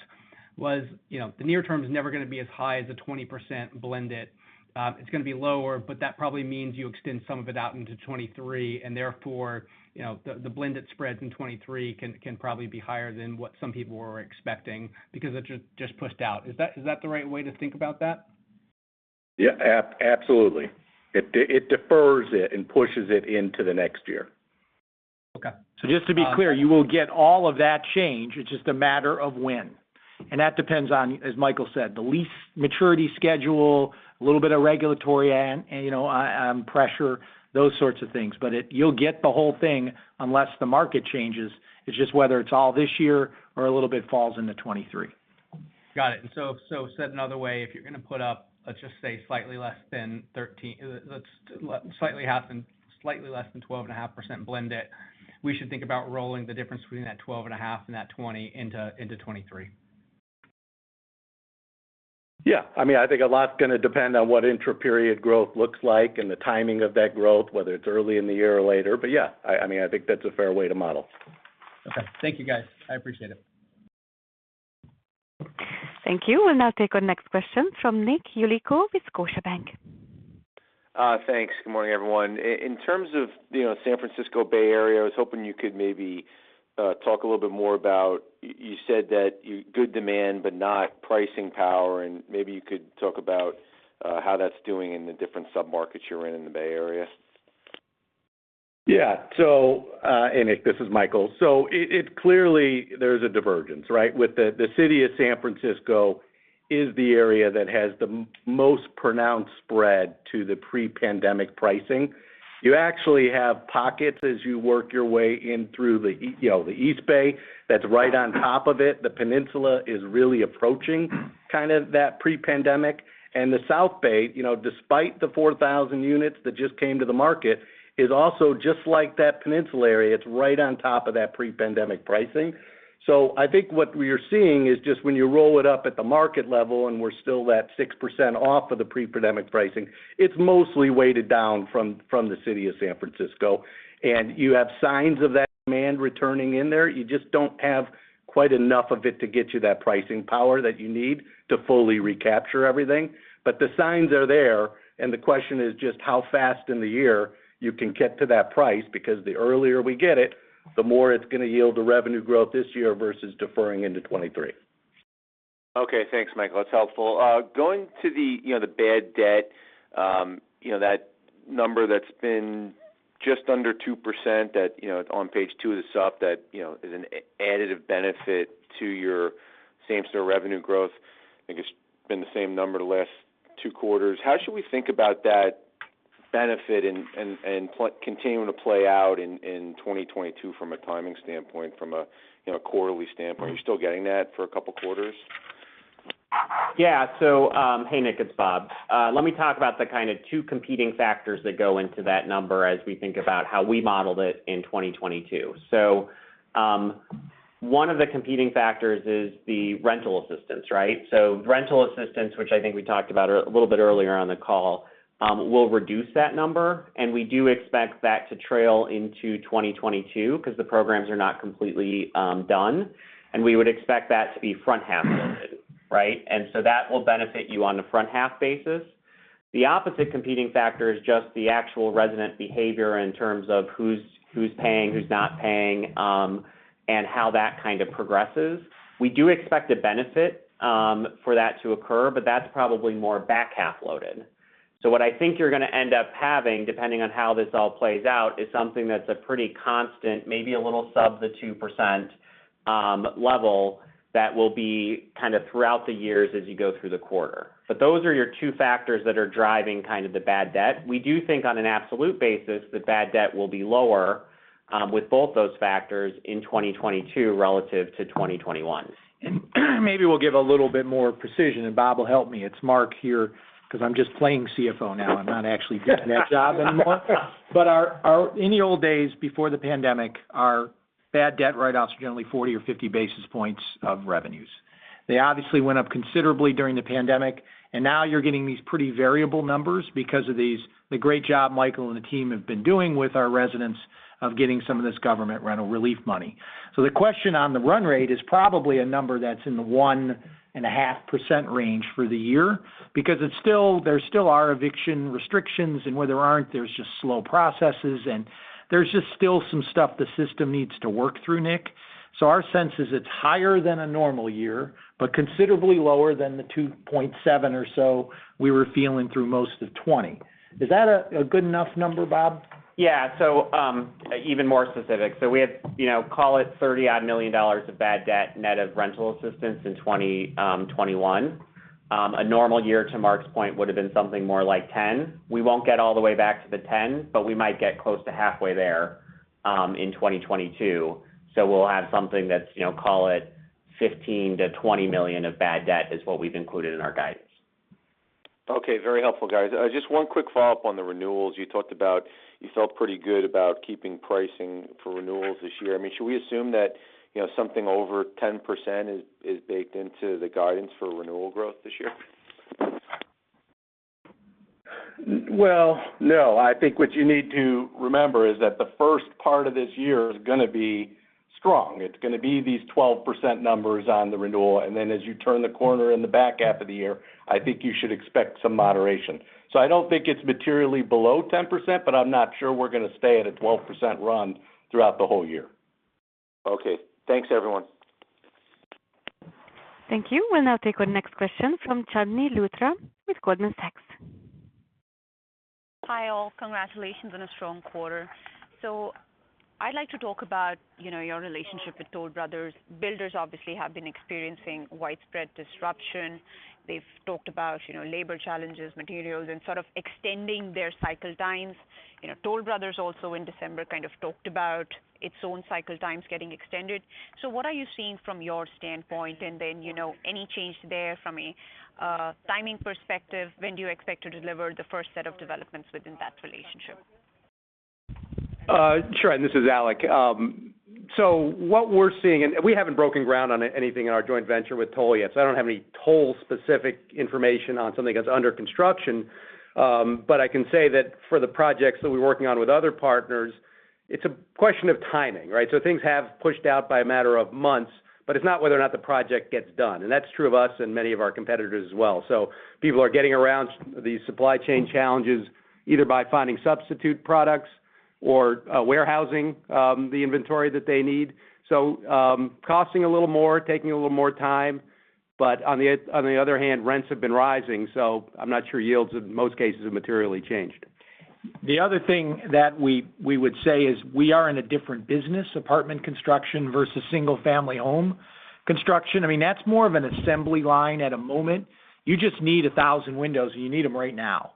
was, you know, the near term is never gonna be as high as a 20% blended. It's going to be lower, but that probably means you extend some of it out into 2023, and therefore, you know, the blended spreads in 2023 can probably be higher than what some people were expecting because it just pushed out. Is that the right way to think about that? Yeah. Absolutely. It defers it and pushes it into the next year. Just to be clear, you will get all of that change. It's just a matter of when, and that depends on, as Michael said, the lease maturity schedule, a little bit of regulatory and, you know, pressure, those sorts of things. But it. You'll get the whole thing unless the market changes. It's just whether it's all this year or a little bit falls into 2023. Got it. Said another way, if you're gonna put up, let's just say slightly less than 12.5% blended, we should think about rolling the difference between that 12.5% and that 20% into 2023. Yeah. I mean, I think a lot's going to depend on what intra-period growth looks like and the timing of that growth, whether it's early in the year or later. Yeah, I mean, I think that's a fair way to model. Okay. Thank you, guys. I appreciate it. Thank you. We'll now take our next question from Nick Yulico with Scotiabank. Thanks. Good morning, everyone. In terms of, you know, San Francisco Bay Area, I was hoping you could maybe talk a little bit more about. You said that you have good demand, but not pricing power, and maybe you could talk about how that's doing in the different sub-markets you're in in the Bay Area. Yeah, Nick, this is Michael. It clearly there's a divergence, right? With the city of San Francisco is the area that has the most pronounced spread to the pre-pandemic pricing. You actually have pockets as you work your way in through the, you know, the East Bay that's right on top of it. The Peninsula is really approaching kind of that pre-pandemic. The South Bay, you know, despite the 4,000 units that just came to the market, is also just like that peninsula area. It's right on top of that pre-pandemic pricing. I think what we are seeing is just when you roll it up at the market level, and we're still that 6% off of the pre-pandemic pricing, it's mostly weighted down from the city of San Francisco. You have signs of that demand returning in there. You just don't have quite enough of it to get you that pricing power that you need to fully recapture everything. The signs are there, and the question is just how fast in the year you can get to that price because the earlier we get it, the more it's gonna yield the revenue growth this year versus deferring into 2023. Okay. Thanks, Michael. That's helpful. Going to the bad debt, that number that's been just under 2% that on page two of the sub that is an additive benefit to your same-store revenue growth, I think it's been the same number the last two quarters. How should we think about that benefit and continuing to play out in 2022 from a timing standpoint, from a quarterly standpoint? Are you still getting that for a couple quarters? Yeah. Hey, Nick, it's Bob. Let me talk about the kind of two competing factors that go into that number as we think about how we modeled it in 2022. One of the competing factors is the rental assistance, right? Rental assistance, which I think we talked about a little bit earlier on the call, will reduce that number, and we do expect that to trail into 2022 because the programs are not completely done. We would expect that to be front half loaded, right? That will benefit you on the front half basis. The opposite competing factor is just the actual resident behavior in terms of who's paying, who's not paying, and how that kind of progresses. We do expect a benefit for that to occur, but that's probably more back half loaded. What I think you're gonna end up having, depending on how this all plays out, is something that's a pretty constant, maybe a little sub 2%, level that will be kind of throughout the years as you go through the quarter. Those are your two factors that are driving kind of the bad debt. We do think on an absolute basis, the bad debt will be lower, with both those factors in 2022 relative to 2021. Maybe we'll give a little bit more precision, and Bob will help me. It's Mark here because I'm just playing CFO now. I'm not actually doing that job anymore. But our in the old days before the pandemic, our bad debt write-offs were generally 40 or 50 basis points of revenues. They obviously went up considerably during the pandemic, and now you're getting these pretty variable numbers because of the great job Michael and the team have been doing with our residents of getting some of this government rental relief money. The question on the run rate is probably a number that's in the 1.5% range for the year, because there still are eviction restrictions, and where there aren't, there's just slow processes, and there's just still some stuff the system needs to work through, Nick. Our sense is it's higher than a normal year, but considerably lower than the 2.7 or so we were feeling through most of 2020. Is that a good enough number, Bob? Even more specific. We have, you know, call it $30-odd million of bad debt net of rental assistance in 2021. A normal year, to Mark's point, would have been something more like $10 million. We won't get all the way back to the $10 million, but we might get close to halfway there, in 2022. We'll have something that's, you know, call it $15 million-$20 million of bad debt is what we've included in our guidance. Okay. Very helpful, guys. Just one quick follow-up on the renewals you talked about. You felt pretty good about keeping pricing for renewals this year. I mean, should we assume that, you know, something over 10% is baked into the guidance for renewal growth this year? Well, no. I think what you need to remember is that the first part of this year is gonna be strong. It's gonna be these 12% numbers on the renewal. Then as you turn the corner in the back half of the year, I think you should expect some moderation. I don't think it's materially below 10%, but I'm not sure we're gonna stay at a 12% run throughout the whole year. Okay. Thanks, everyone. Thank you. We'll now take our next question from Chandni Luthra with Goldman Sachs. Hi, all. Congratulations on a strong quarter. I'd like to talk about, you know, your relationship with Toll Brothers. Builders obviously have been experiencing widespread disruption. They've talked about, you know, labor challenges, materials, and sort of extending their cycle times. You know, Toll Brothers also in December kind of talked about its own cycle times getting extended. What are you seeing from your standpoint? Then, you know, any change there from a timing perspective, when do you expect to deliver the first set of developments within that relationship? Sure. This is Alec. What we're seeing, we haven't broken ground on anything in our joint venture with Toll yet, so I don't have any Toll specific information on something that's under construction. But I can say that for the projects that we're working on with other partners, it's a question of timing, right? Things have pushed out by a matter of months, but it's not whether or not the project gets done, and that's true of us and many of our competitors as well. People are getting around these supply chain challenges either by finding substitute products or warehousing the inventory that they need. Costing a little more, taking a little more time. But on the other hand, rents have been rising, so I'm not sure yields in most cases have materially changed. The other thing that we would say is we are in a different business, apartment construction versus single family home construction. I mean, that's more of an assembly line at a moment. You just need 1,000 windows, and you need them right now.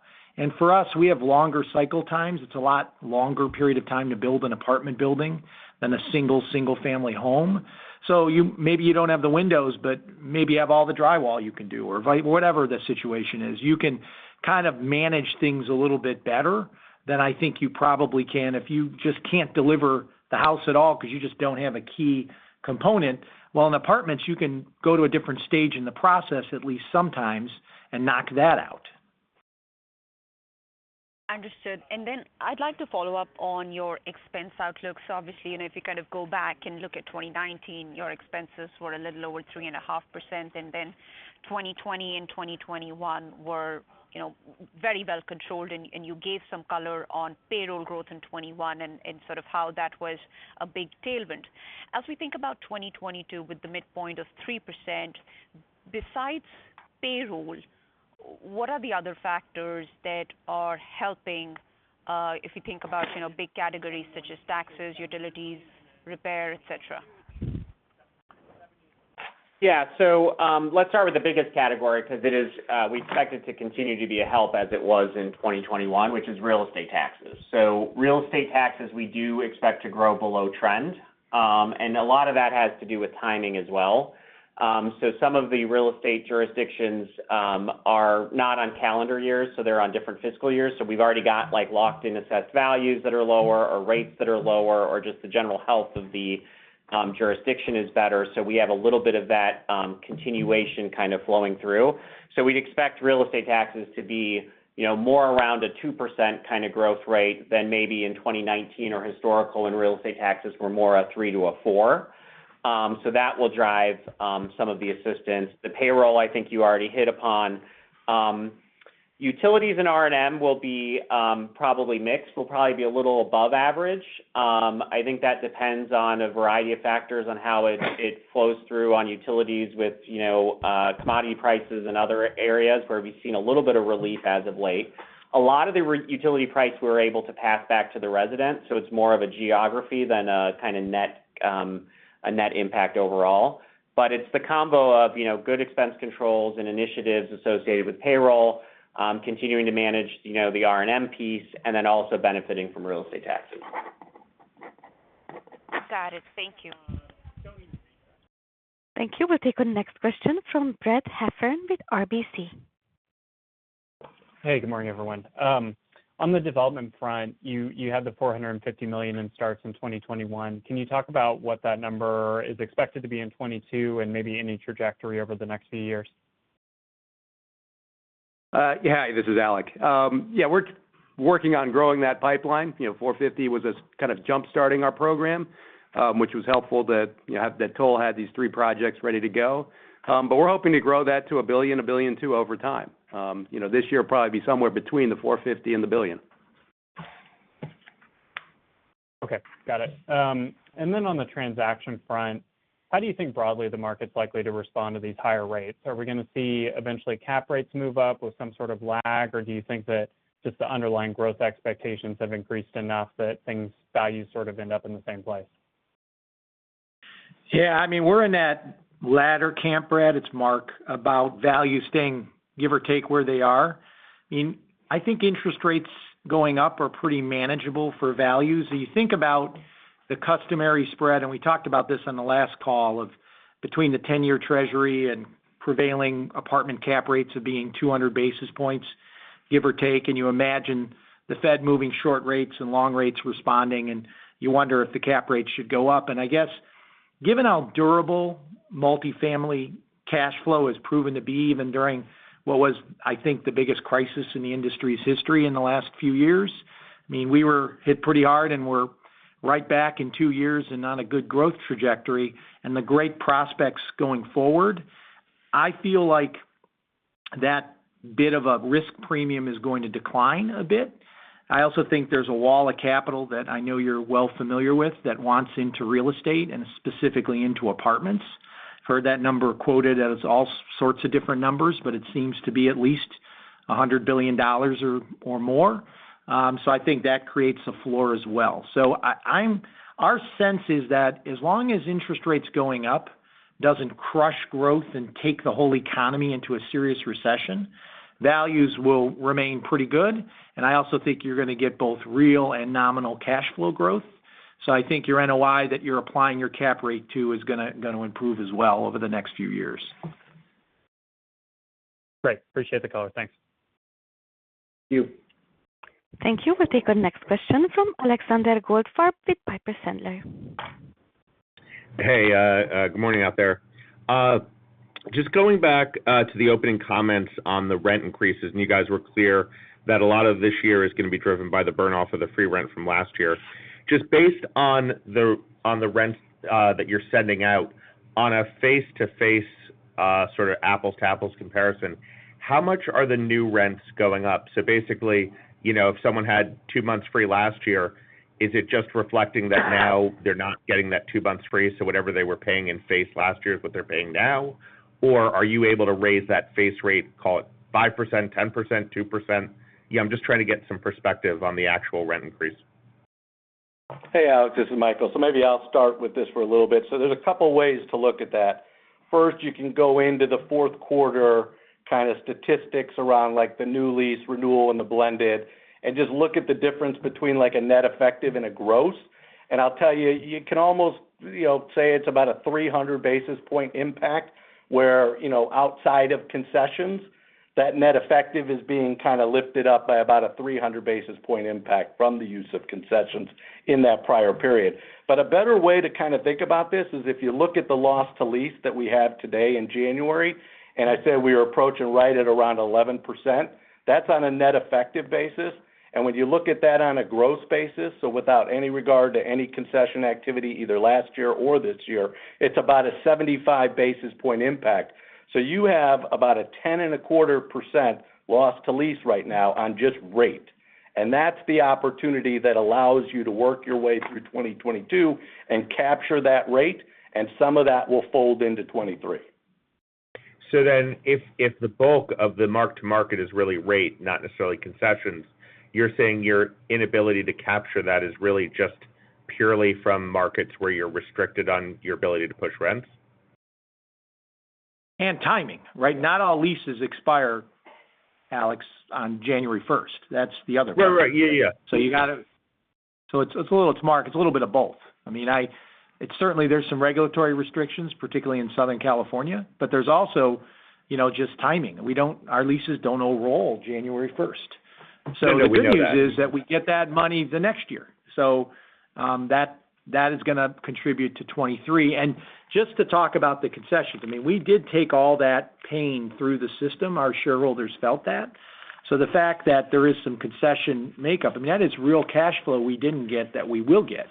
For us, we have longer cycle times. It's a lot longer period of time to build an apartment building than a single family home. You maybe don't have the windows, but maybe you have all the drywall you can do or whatever the situation is. You can kind of manage things a little bit better than I think you probably can if you just can't deliver the house at all because you just don't have a key component. While in apartments, you can go to a different stage in the process at least sometimes and knock that out. Understood. I'd like to follow up on your expense outlook. Obviously, you know, if you kind of go back and look at 2019, your expenses were a little over 3.5%, and then 2020 and 2021 were, you know, very well controlled, and you gave some color on payroll growth in 2021 and sort of how that was a big tailwind. As we think about 2022 with the midpoint of 3%, besides payroll, what are the other factors that are helping, if you think about, you know, big categories such as taxes, utilities, repair, et cetera? Let's start with the biggest category because it is, we expect it to continue to be a help as it was in 2021, which is real estate taxes. Real estate taxes, we do expect to grow below trend, and a lot of that has to do with timing as well. Some of the real estate jurisdictions are not on calendar years, so they're on different fiscal years. We've already got, like, locked in assessed values that are lower or rates that are lower or just the general health of the jurisdiction is better. We have a little bit of that continuation kind of flowing through. We'd expect real estate taxes to be, you know, more around a 2% kind of growth rate than maybe in 2019 or historical, and real estate taxes were more a 3%-4%. That will drive some of the expenses. The payroll, I think you already hit upon. Utilities and R&M will be probably mixed. We'll probably be a little above average. I think that depends on a variety of factors on how it flows through on utilities with, you know, commodity prices and other areas where we've seen a little bit of relief as of late. A lot of the utility price we're able to pass back to the residents, so it's more of a geography than a kind of net, a net impact overall. It's the combo of, you know, good expense controls and initiatives associated with payroll, continuing to manage, you know, the R&M piece and then also benefiting from real estate taxes. Got it. Thank you. Thank you. We'll take our next question from Brad Heffern with RBC. Hey, good morning, everyone. On the development front, you have the $450 million in starts in 2021. Can you talk about what that number is expected to be in 2022 and maybe any trajectory over the next few years? Yeah. This is Alec. Yeah, we're working on growing that pipeline. You know, $450 million was a kind of jump-starting our program, which was helpful that, you know, that Toll had these three projects ready to go. We're hoping to grow that to $1 billion-$1.2 billion over time. You know, this year, probably be somewhere between the $450 million and the $1 billion. Okay, got it. On the transaction front, how do you think broadly the market's likely to respond to these higher rates? Are we gonna see eventually cap rates move up with some sort of lag? Or do you think that just the underlying growth expectations have increased enough that things, values sort of end up in the same place? Yeah. I mean, we're in that latter camp, Brad. It's Mark. About values staying, give or take, where they are. I mean, I think interest rates going up are pretty manageable for values. If you think about the customary spread, and we talked about this on the last call of between the 10-year Treasury and prevailing apartment cap rates of being 200 basis points, give or take, and you imagine the Fed moving short rates and long rates responding, and you wonder if the cap rate should go up. I guess given how durable multifamily cash flow has proven to be even during what was, I think, the biggest crisis in the industry's history in the last few years, I mean, we were hit pretty hard, and we're right back in two years and on a good growth trajectory and the great prospects going forward, I feel like that bit of a risk premium is going to decline a bit. I also think there's a wall of capital that I know you're well familiar with that wants into real estate and specifically into apartments. Heard that number quoted as all sorts of different numbers, but it seems to be at least $100 billion or more. So I think that creates a floor as well. Our sense is that as long as interest rates going up doesn't crush growth and take the whole economy into a serious recession, values will remain pretty good. I also think you're gonna get both real and nominal cash flow growth. I think your NOI that you're applying your cap rate to is gonna improve as well over the next few years. Great. Appreciate the color. Thanks. Thank you. Thank you. We'll take our next question from Alexander Goldfarb with Piper Sandler. Hey. Good morning out there. Just going back to the opening comments on the rent increases, and you guys were clear that a lot of this year is gonna be driven by the burn-off of the free rent from last year. Just based on the rent that you're sending out on a face-to-face sort of apples-to-apples comparison, how much are the new rents going up? So basically, you know, if someone had two months free last year, is it just reflecting that now they're not getting that two months free, so whatever they were paying in face last year is what they're paying now? Or are you able to raise that face rate, call it 5%, 10%, 2%? Yeah, I'm just trying to get some perspective on the actual rent increase. Hey, Alex. This is Michael. Maybe I'll start with this for a little bit. There's a couple of ways to look at that. First, you can go into the fourth quarter kind of statistics around like the new lease renewal and the blended and just look at the difference between like a net effective and a gross. And I'll tell you can almost, you know, say it's about a 300 basis point impact where, you know, outside of concessions, that net effective is being kind of lifted up by about a 300 basis point impact from the use of concessions in that prior period. But a better way to kind of think about this is if you look at the loss to lease that we have today in January, and I said we are approaching right at around 11%, that's on a net effective basis. When you look at that on a gross basis, so without any regard to any concession activity either last year or this year, it's about a 75 basis point impact. You have about a 10.25% loss to lease right now on just rate. That's the opportunity that allows you to work your way through 2022 and capture that rate, and some of that will fold into 2023. If the bulk of the mark-to-market is really rate, not necessarily concessions, you're saying your inability to capture that is really just purely from markets where you're restricted on your ability to push rents? Timing, right? Not all leases expire, Alex, on January first. That's the other factor. Right. Right. Yeah. Yeah. It's a little too much. It's a little bit of both. I mean, it's certainly there's some regulatory restrictions, particularly in Southern California, but there's also, you know, just timing. Our leases don't all roll January first. No, we know that. The good news is that we get that money the next year. That is gonna contribute to 2023. Just to talk about the concessions, I mean, we did take all that pain through the system. Our shareholders felt that. The fact that there is some concession makeup, I mean, that is real cash flow we didn't get that we will get.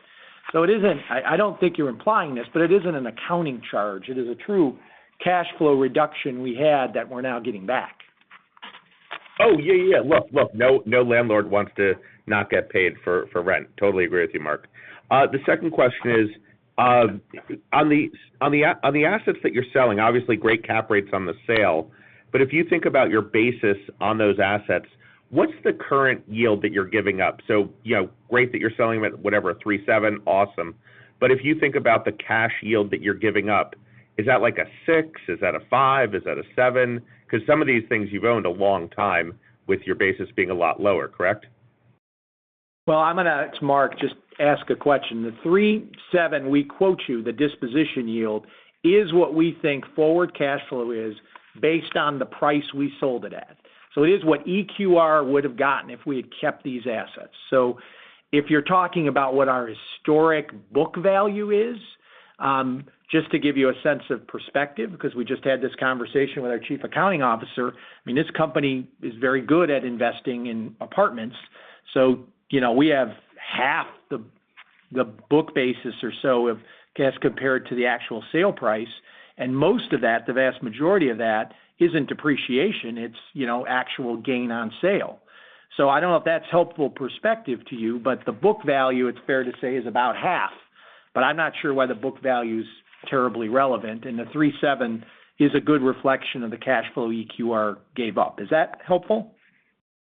It isn't. I don't think you're implying this, but it isn't an accounting charge. It is a true cash flow reduction we had that we're now getting back. Oh, yeah. Look, no landlord wants to not get paid for rent. Totally agree with you, Mark. The second question is on the assets that you're selling, obviously great cap rates on the sale. If you think about your basis on those assets, what's the current yield that you're giving up? You know, great that you're selling them at whatever, 3.7%. Awesome. If you think about the cash yield that you're giving up, is that like a 6%? Is that a 5%? Is that a 7%? Because some of these things you've owned a long time with your basis being a lot lower, correct? Well, I'm gonna ..it's Mark just ask a question. The 3.7 we quote you, the disposition yield, is what we think forward cash flow is based on the price we sold it at. It is what EQR would have gotten if we had kept these assets. If you're talking about what our historic book value is, just to give you a sense of perspective because we just had this conversation with our chief accounting officer. I mean, this company is very good at investing in apartments, so you know, we have half the book basis or so as compared to the actual sale price. And most of that, the vast majority of that isn't depreciation. It's you know actual gain on sale. I don't know if that's helpful perspective to you, but the book value, it's fair to say, is about half. I'm not sure why the book value is terribly relevant. The 37 is a good reflection of the cash flow EQR gave up. Is that helpful?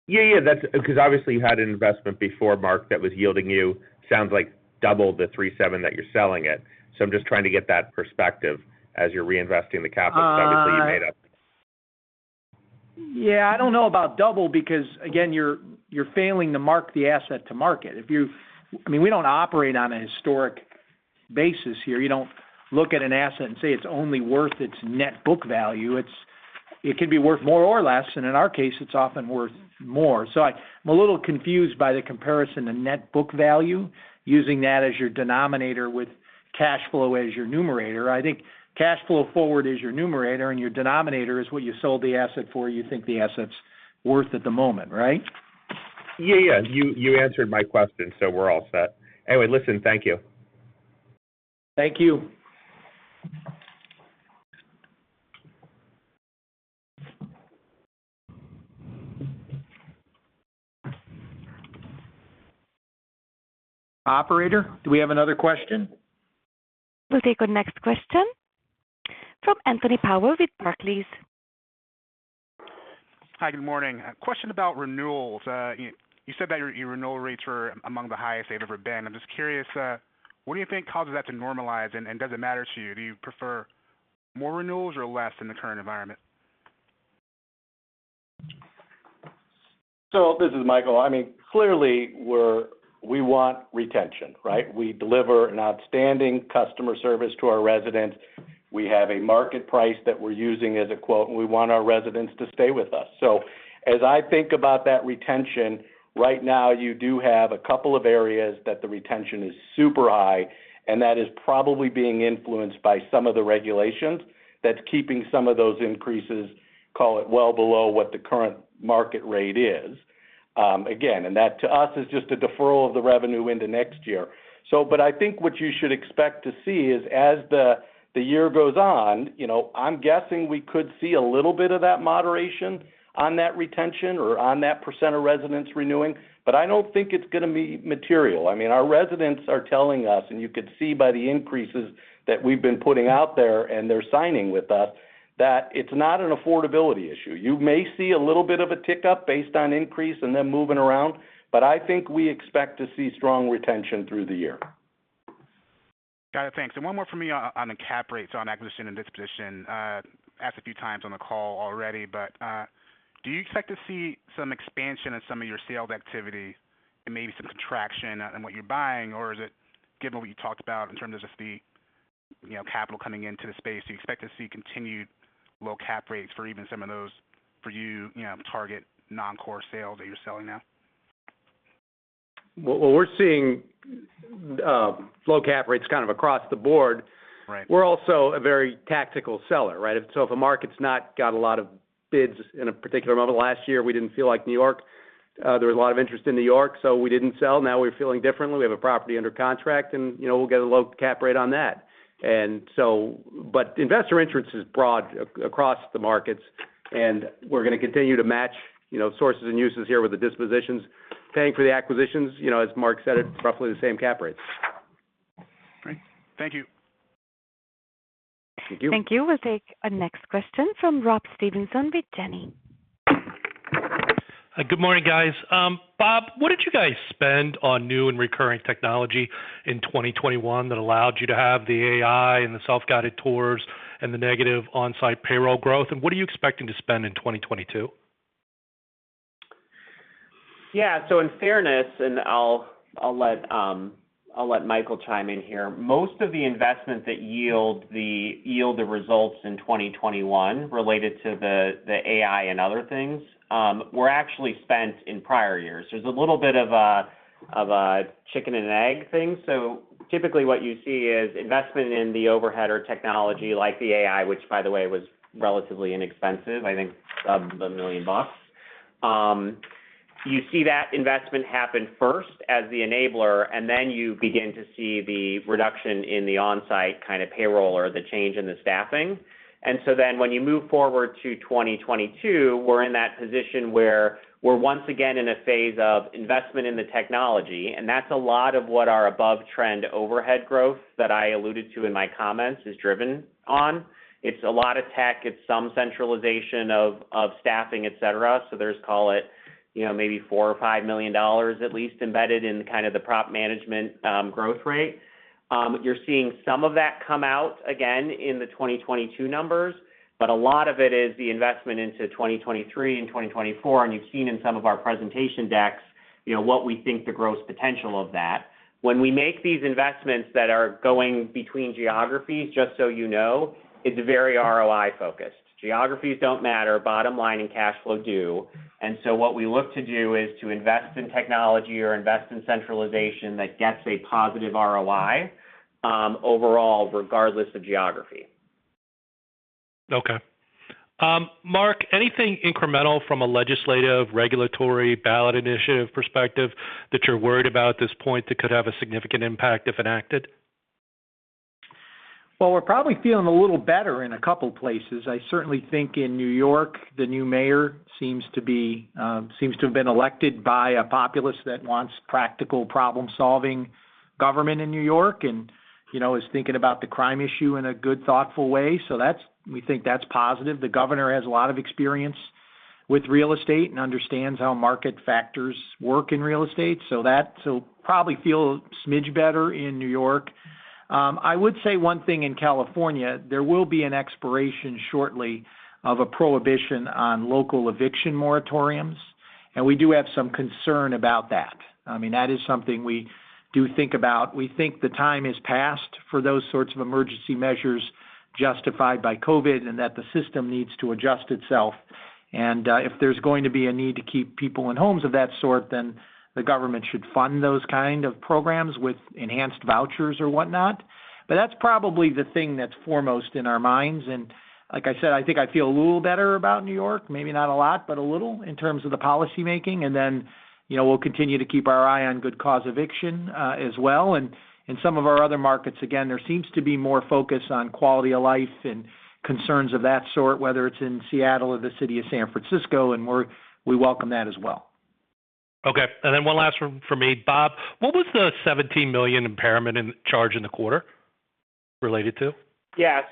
Yeah, yeah. That's because obviously you had an investment before, Mark, that was yielding you, sounds like double the 3.7 that you're selling it. I'm just trying to get that perspective as you're reinvesting the capital. Obviously you made up. Yeah, I don't know about double because again, you're failing to mark the asset to market. If you, I mean, we don't operate on a historic basis here. You don't look at an asset and say it's only worth its net book value. It can be worth more or less, and in our case, it's often worth more. So I'm a little confused by the comparison to net book value using that as your denominator with cash flow as your numerator. I think cash flow forward is your numerator, and your denominator is what you sold the asset for, you think the asset's worth at the moment, right? Yeah. You answered my question, so we're all set. Anyway, listen, thank you. Thank you. Operator, do we have another question? We'll take our next question from Anthony Powell with Barclays. Hi, good morning. A question about renewals. You said that your renewal rates were among the highest they've ever been. I'm just curious, what do you think causes that to normalize? Does it matter to you? Do you prefer more renewals or less in the current environment? This is Michael. I mean, clearly, we want retention, right? We deliver an outstanding customer service to our residents. We have a market price that we're using as a quote, and we want our residents to stay with us. As I think about that retention, right now you do have a couple of areas that the retention is super high, and that is probably being influenced by some of the regulations that's keeping some of those increases, call it, well below what the current market rate is. Again, and that to us is just a deferral of the revenue into next year. I think what you should expect to see is as the year goes on, you know, I'm guessing we could see a little bit of that moderation on that retention or on that percent of residents renewing. I don't think it's gonna be material. I mean, our residents are telling us, and you could see by the increases that we've been putting out there and they're signing with us, that it's not an affordability issue. You may see a little bit of a tick up based on increase and them moving around, but I think we expect to see strong retention through the year. Got it. Thanks. One more for me on the cap rates on acquisition and disposition. Asked a few times on the call already, but do you expect to see some expansion in some of your sales activity and maybe some contraction on what you're buying? Given what you talked about in terms of just the you know capital coming into the space, do you expect to see continued low cap rates for even some of those for your you know target non-core sales that you're selling now? Well, we're seeing low cap rates kind of across the board. Right. We're also a very tactical seller, right? If a market's not got a lot of bids in a particular moment. Last year, there wasn't a lot of interest in New York, so we didn't sell. Now we're feeling differently. We have a property under contract and, you know, we'll get a low cap rate on that. Investor interest is broad across the markets, and we're gonna continue to match, you know, sources and uses here with the dispositions, paying for the acquisitions, you know, as Mark said, at roughly the same cap rates. Great. Thank you. Thank you. Thank you. We'll take our next question from Rob Stevenson with Janney. Hi. Good morning, guys. Bob, what did you guys spend on new and recurring technology in 2021 that allowed you to have the AI and the self-guided tours and the negative on-site payroll growth? What are you expecting to spend in 2022? Yeah. In fairness, I'll let Michael chime in here. Most of the investment that yield the results in 2021 related to the AI and other things were actually spent in prior years. There's a little bit of a chicken and egg thing. Typically what you see is investment in the overhead or technology like the AI, which by the way was relatively inexpensive, I think $1 million. You see that investment happen first as the enabler, and then you begin to see the reduction in the on-site kind of payroll or the change in the staffing. When you move forward to 2022, we're in that position where we're once again in a phase of investment in the technology, and that's a lot of what our above trend overhead growth that I alluded to in my comments is driven on. It's a lot of tech, it's some centralization of staffing, etc. There's, call it, you know, maybe $4 million or $5 million at least embedded in kind of the property management growth rate. You're seeing some of that come out again in the 2022 numbers, but a lot of it is the investment into 2023 and 2024. You've seen in some of our presentation decks You know what we think the growth potential of that. When we make these investments that are going between geographies, just so you know, it's very ROI-focused. Geographies don't matter, bottom line and cash flow do. What we look to do is to invest in technology or invest in centralization that gets a positive ROI overall regardless of geography. Okay. Mark, anything incremental from a legislative, regulatory ballot initiative perspective that you're worried about at this point that could have a significant impact if enacted? Well, we're probably feeling a little better in a couple places. I certainly think in New York, the new mayor seems to be, seems to have been elected by a populace that wants practical problem-solving government in New York and, you know, is thinking about the crime issue in a good, thoughtful way. That's. We think that's positive. The governor has a lot of experience with real estate and understands how market factors work in real estate. That's. We'll probably feel a smidge better in New York. I would say one thing in California, there will be an expiration shortly of a prohibition on local eviction moratoriums, and we do have some concern about that. I mean, that is something we do think about. We think the time has passed for those sorts of emergency measures justified by COVID and that the system needs to adjust itself. If there's going to be a need to keep people in homes of that sort, then the government should fund those kind of programs with enhanced vouchers or whatnot. That's probably the thing that's foremost in our minds. Like I said, I think I feel a little better about New York, maybe not a lot, but a little in terms of the policymaking. You know, we'll continue to keep our eye on good cause eviction, as well. In some of our other markets, again, there seems to be more focus on quality of life and concerns of that sort, whether it's in Seattle or the city of San Francisco, and we welcome that as well. Okay. One last one from me. Bob, what was the $17 million impairment charge in the quarter related to? Yes.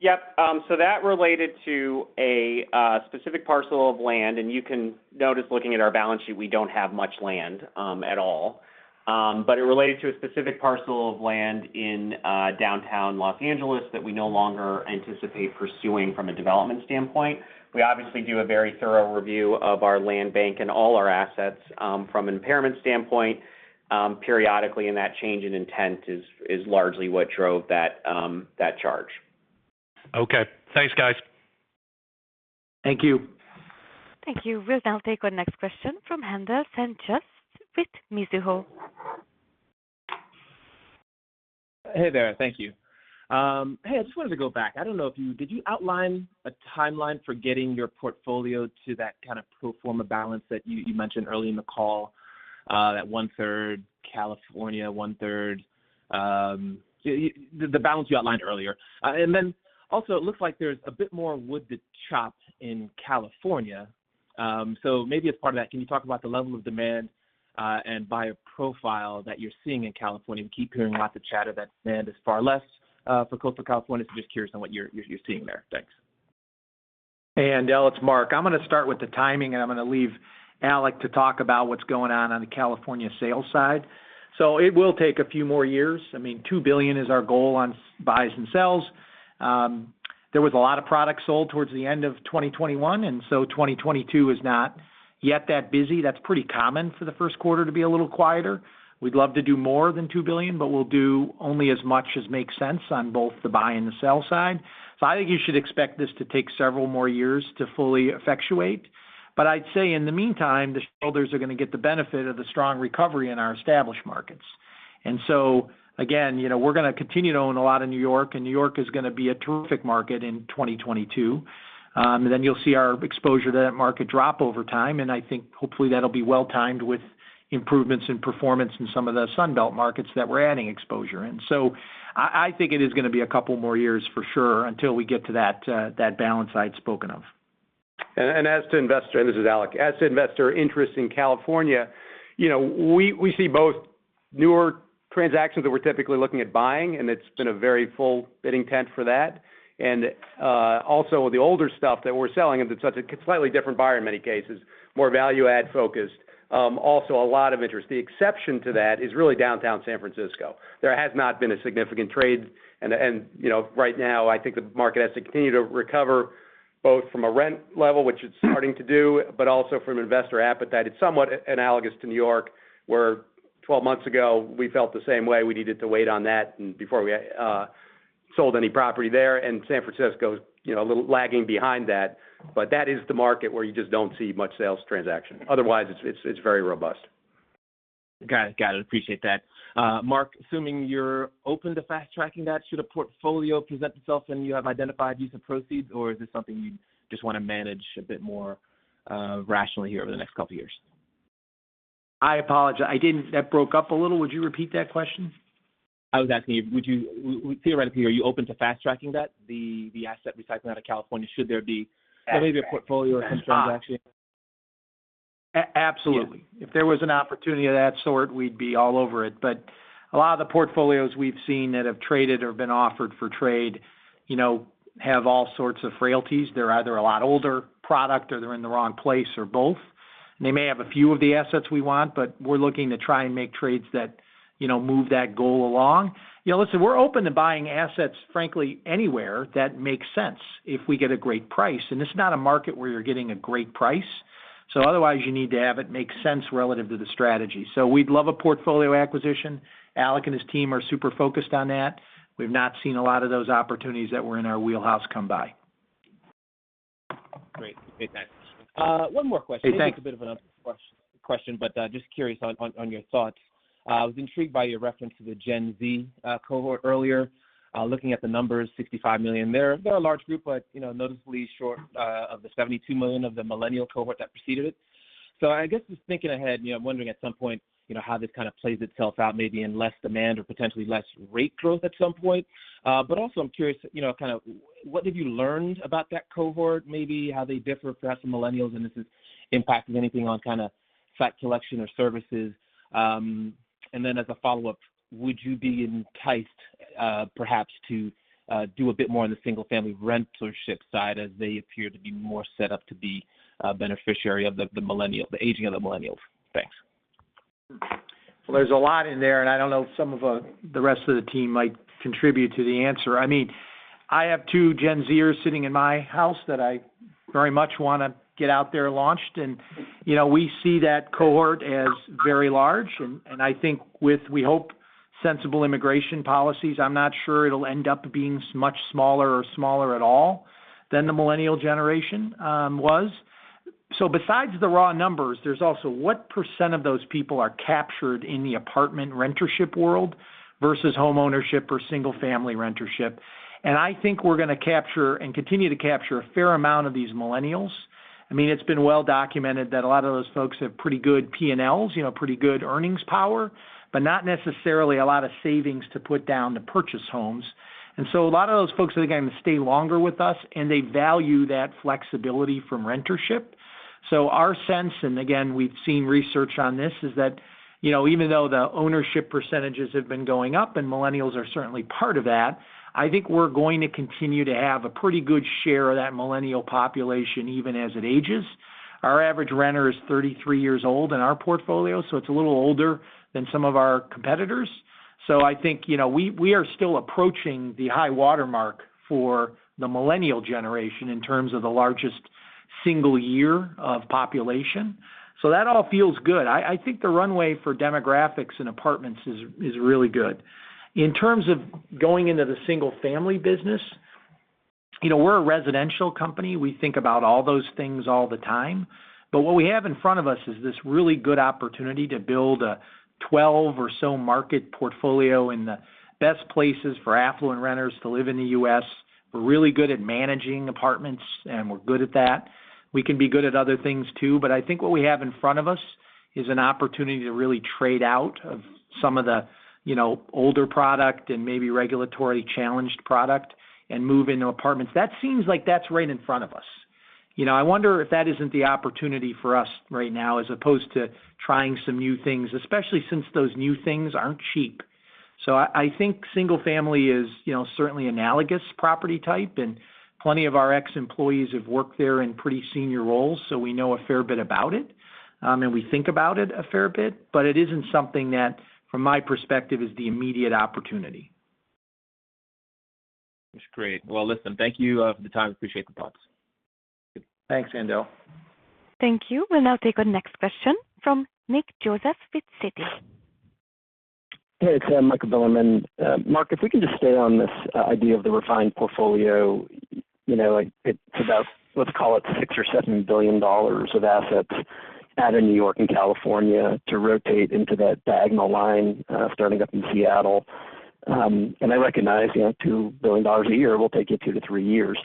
Yep. That related to a specific parcel of land. You can notice, looking at our balance sheet, we don't have much land at all. It related to a specific parcel of land in downtown Los Angeles that we no longer anticipate pursuing from a development standpoint. We obviously do a very thorough review of our land bank and all our assets from an impairment standpoint periodically, and that change in intent is largely what drove that charge. Okay. Thanks, guys. Thank you. Thank you. We'll now take our next question from Haendel St. Juste with Mizuho. Hey there. Thank you. Hey, I just wanted to go back. Did you outline a timeline for getting your portfolio to that kind of pro forma balance that you mentioned early in the call, that one-third California, one-third, the balance you outlined earlier. Then also it looks like there's a bit more wood to chop in California. Maybe as part of that, can you talk about the level of demand and buyer profile that you're seeing in California? We keep hearing lots of chatter that land is far less for coastal California, so just curious on what you're seeing there. Thanks. Hey, Haendel, it's Mark. I'm going to start with the timing, and I'm gonna leave Alec to talk about what's going on on the California sales side. It will take a few more years. I mean, $2 billion is our goal on buys and sells. There was a lot of properties sold towards the end of 2021, and so 2022 is not yet that busy. That's pretty common for the first quarter to be a little quieter. We'd love to do more than $2 billion, but we'll do only as much as makes sense on both the buy and the sell side. I think you should expect this to take several more years to fully effectuate. I'd say in the meantime, the shareholders are gonna get the benefit of the strong recovery in our established markets. Again, you know, we're gonna continue to own a lot in New York, and New York is going to be a terrific market in 2022. You'll see our exposure to that market drop over time, and I think hopefully that'll be well timed with improvements in performance in some of the Sun Belt markets that we're adding exposure in. I think it is gonna be a couple more years for sure until we get to that balance I'd spoken of. This is Alec. As to investor interest in California, you know, we see both newer transactions that we're typically looking at buying, and it's been a very full tent for that. Also the older stuff that we're selling, and it's such a slightly different buyer in many cases, more value-add focused, also a lot of interest. The exception to that is really downtown San Francisco. There has not been a significant trade. You know, right now I think the market has to continue to recover both from a rent level, which it's starting to do, but also from investor appetite. It's somewhat analogous to New York, where 12 months ago we felt the same way. We needed to wait on that and before we sold any property there. San Francisco's, you know, a little lagging behind that, but that is the market where you just don't see much sales transaction. Otherwise, it's very robust. Got it. Appreciate that. Mark, assuming you're open to fast-tracking that, should a portfolio present itself and you have identified use of proceeds, or is this something you just wanna manage a bit more rationally here over the next couple years? I apologize. That broke up a little. Would you repeat that question? I was asking you, would you theoretically, are you open to fast-tracking that, the asset recycling out of California, should there be? Maybe a portfolio transaction? Absolutely. If there was an opportunity of that sort, we'd be all over it. But a lot of the portfolios we've seen that have traded or been offered for trade, you know, have all sorts of frailties. They're either a lot older product or they're in the wrong place or both. They may have a few of the assets we want, but we're looking to try and make trades that, you know, move that goal along. You know, listen, we're open to buying assets, frankly, anywhere that makes sense if we get a great price, and it's not a market where you're getting a great price. Otherwise you need to have it make sense relative to the strategy. We'd love a portfolio acquisition. Alec and his team are super focused on that. We've not seen a lot of those opportunities that were in our wheelhouse come by. Great. Thanks. One more question. Hey, thanks. This is a bit of an out question, but just curious on your thoughts. I was intrigued by your reference to the Gen Z cohort earlier. Looking at the numbers, 65 million. They're a large group, but you know, noticeably short of the 72 million of the millennial cohort that preceded it. I guess just thinking ahead, you know, I'm wondering at some point, you know, how this kind of plays itself out, maybe in less demand or potentially less rate growth at some point. But also I'm curious, you know, kind of what have you learned about that cohort, maybe how they differ perhaps from millennials and if this has impacted anything on kind of fact collection or services. as a follow-up, would you be enticed, perhaps to do a bit more on the single family rentership side as they appear to be more set up to be a beneficiary of the millennial, the aging of the millennials? Thanks. There's a lot in there, and I don't know if some of the rest of the team might contribute to the answer. I mean, I have two Gen Zers sitting in my house that I very much want to get out there launched. You know, we see that cohort as very large and I think with, we hope, sensible immigration policies, I'm not sure it'll end up being much smaller or smaller at all than the millennial generation was. Besides the raw numbers, there's also what % of those people are captured in the apartment rentership world versus homeownership or single family rentership. I think we're gonna capture and continue to capture a fair amount of these millennials. I mean, it's been well documented that a lot of those folks have pretty good P&Ls, you know, pretty good earnings power, but not necessarily a lot of savings to put down to purchase homes. A lot of those folks are gonna stay longer with us, and they value that flexibility from rentership. Our sense, and again, we've seen research on this, is that, you know, even though the ownership percentages have been going up and millennials are certainly part of that, I think we're going to continue to have a pretty good share of that millennial population, even as it ages. Our average renter is 33 years old in our portfolio, so it's a little older than some of our competitors. I think, you know, we are still approaching the high watermark for the Millennial generation in terms of the largest single year of population. That all feels good. I think the runway for demographics in apartments is really good. In terms of going into the single family business, you know, we're a residential company. We think about all those things all the time. What we have in front of us is this really good opportunity to build a 12 or so market portfolio in the best places for affluent renters to live in the U.S. We're really good at managing apartments, and we're good at that. We can be good at other things too. I think what we have in front of us is an opportunity to really trade out of some of the, you know, older product and maybe regulatory challenged product and move into apartments. That seems like that's right in front of us. You know, I wonder if that isn't the opportunity for us right now as opposed to trying some new things, especially since those new things aren't cheap. I think single family is, you know, certainly analogous property type, and plenty of our ex-employees have worked there in pretty senior roles, so we know a fair bit about it, and we think about it a fair bit, but it isn't something that from my perspective is the immediate opportunity. That's great. Well, listen, thank you for the time. I appreciate the thoughts. Thanks, Haendel. Thank you. We'll now take our next question from Nick Joseph with Citi. Hey, it's Michael Bilerman. Mark, if we can just stay on this idea of the refined portfolio. You know, it's about, let's call it $6 billion-$7 billion of assets out of New York and California to rotate into that diagonal line, starting up in Seattle. I recognize, you know, $2 billion a year will take you two to three years.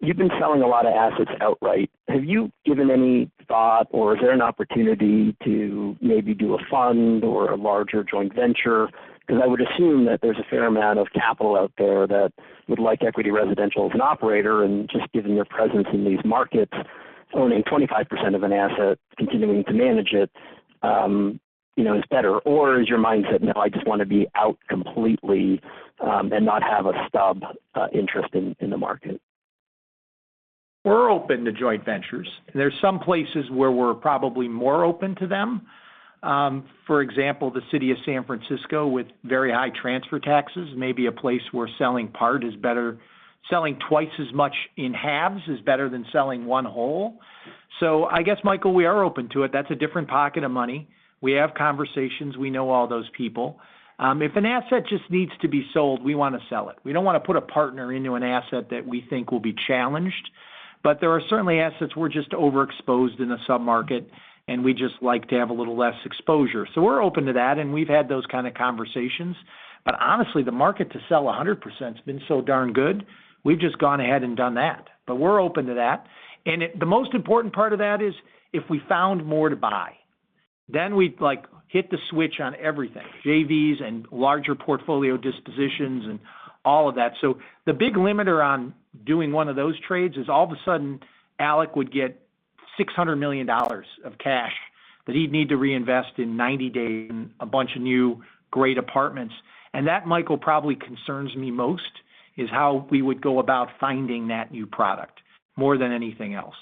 You've been selling a lot of assets outright. Have you given any thought or is there an opportunity to maybe do a fund or a larger joint venture? Because I would assume that there's a fair amount of capital out there that would like Equity Residential as an operator and just given your presence in these markets, owning 25% of an asset, continuing to manage it, you know, is better. Is your mindset now I just wanna be out completely, and not have a stub interest in the market? We're open to joint ventures. There are some places where we're probably more open to them. For example, the city of San Francisco with very high transfer taxes may be a place where selling part is better. Selling twice as much in halves is better than selling one whole. I guess, Michael, we are open to it. That's a different pocket of money. We have conversations. We know all those people. If an asset just needs to be sold, we wanna sell it. We don't wanna put a partner into an asset that we think will be challenged. There are certainly assets we're just overexposed in a sub-market, and we just like to have a little less exposure. We're open to that, and we've had those kind of conversations. Honestly, the market to sell 100% has been so darn good, we've just gone ahead and done that. We're open to that. It, the most important part of that is if we found more to buy, then we'd like, hit the switch on everything, JVs and larger portfolio dispositions and all of that. The big limiter on doing one of those trades is all of a sudden, Alec would get $600 million of cash that he'd need to reinvest in 90 days in a bunch of new great apartments. That, Michael, probably concerns me most, is how we would go about finding that new product more than anything else.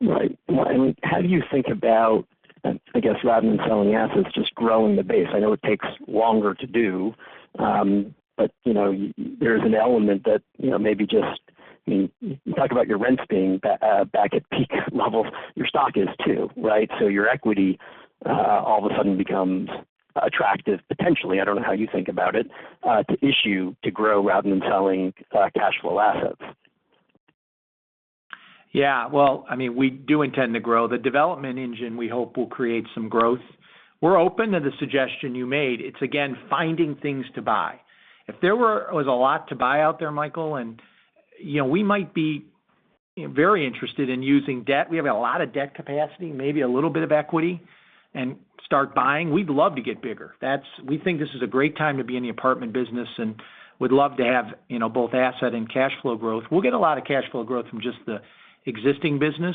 Right. Well, how do you think about, I guess, rather than selling assets, just growing the base? I know it takes longer to do, but you know, there's an element that, you know, you talk about your rents being back at peak levels. Your stock is too, right? So your equity all of a sudden becomes attractive, potentially. I don't know how you think about it, to issue to grow rather than selling cash flow assets. Yeah. Well, I mean, we do intend to grow. The development engine, we hope, will create some growth. We're open to the suggestion you made. It's again, finding things to buy. If there was a lot to buy out there, Michael, and, you know, we might be very interested in using debt. We have a lot of debt capacity, maybe a little bit of equity, and start buying. We'd love to get bigger. That's. We think this is a great time to be in the apartment business, and we'd love to have, you know, both asset and cash flow growth. We'll get a lot of cash flow growth from just the existing business.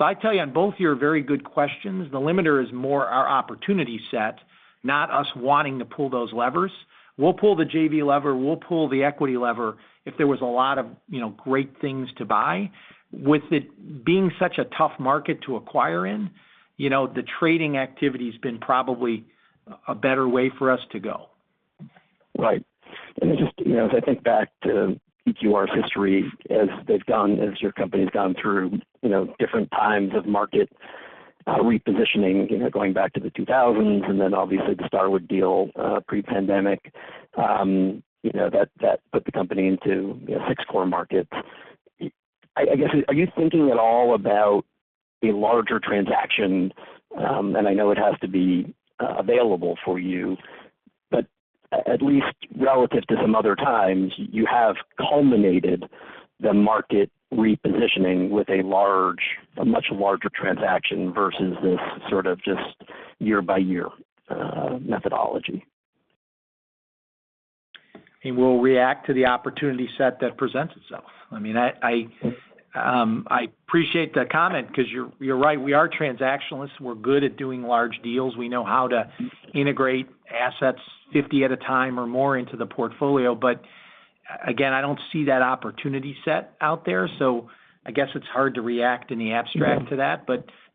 I tell you on both your very good questions, the limiter is more our opportunity set, not us wanting to pull those levers. We'll pull the JV lever, we'll pull the equity lever if there was a lot of, you know, great things to buy. With it being such a tough market to acquire in, you know, the trading activity has been probably a better way for us to go. Right. Just, you know, as I think back to EQR's history as your company's gone through, you know, different times of market repositioning, you know, going back to the 2000s and then obviously the Starwood deal pre-pandemic, you know, that put the company into, you know, six core markets. I guess, are you thinking at all about a larger transaction? I know it has to be available for you. At least relative to some other times, you have culminated the market repositioning with a much larger transaction versus this sort of just year-by-year methodology. We'll react to the opportunity set that presents itself. I mean, I appreciate the comment because you're right. We are transactionalists. We're good at doing large deals. We know how to integrate assets 50 at a time or more into the portfolio. Again, I don't see that opportunity set out there, so I guess it's hard to react in the abstract to that.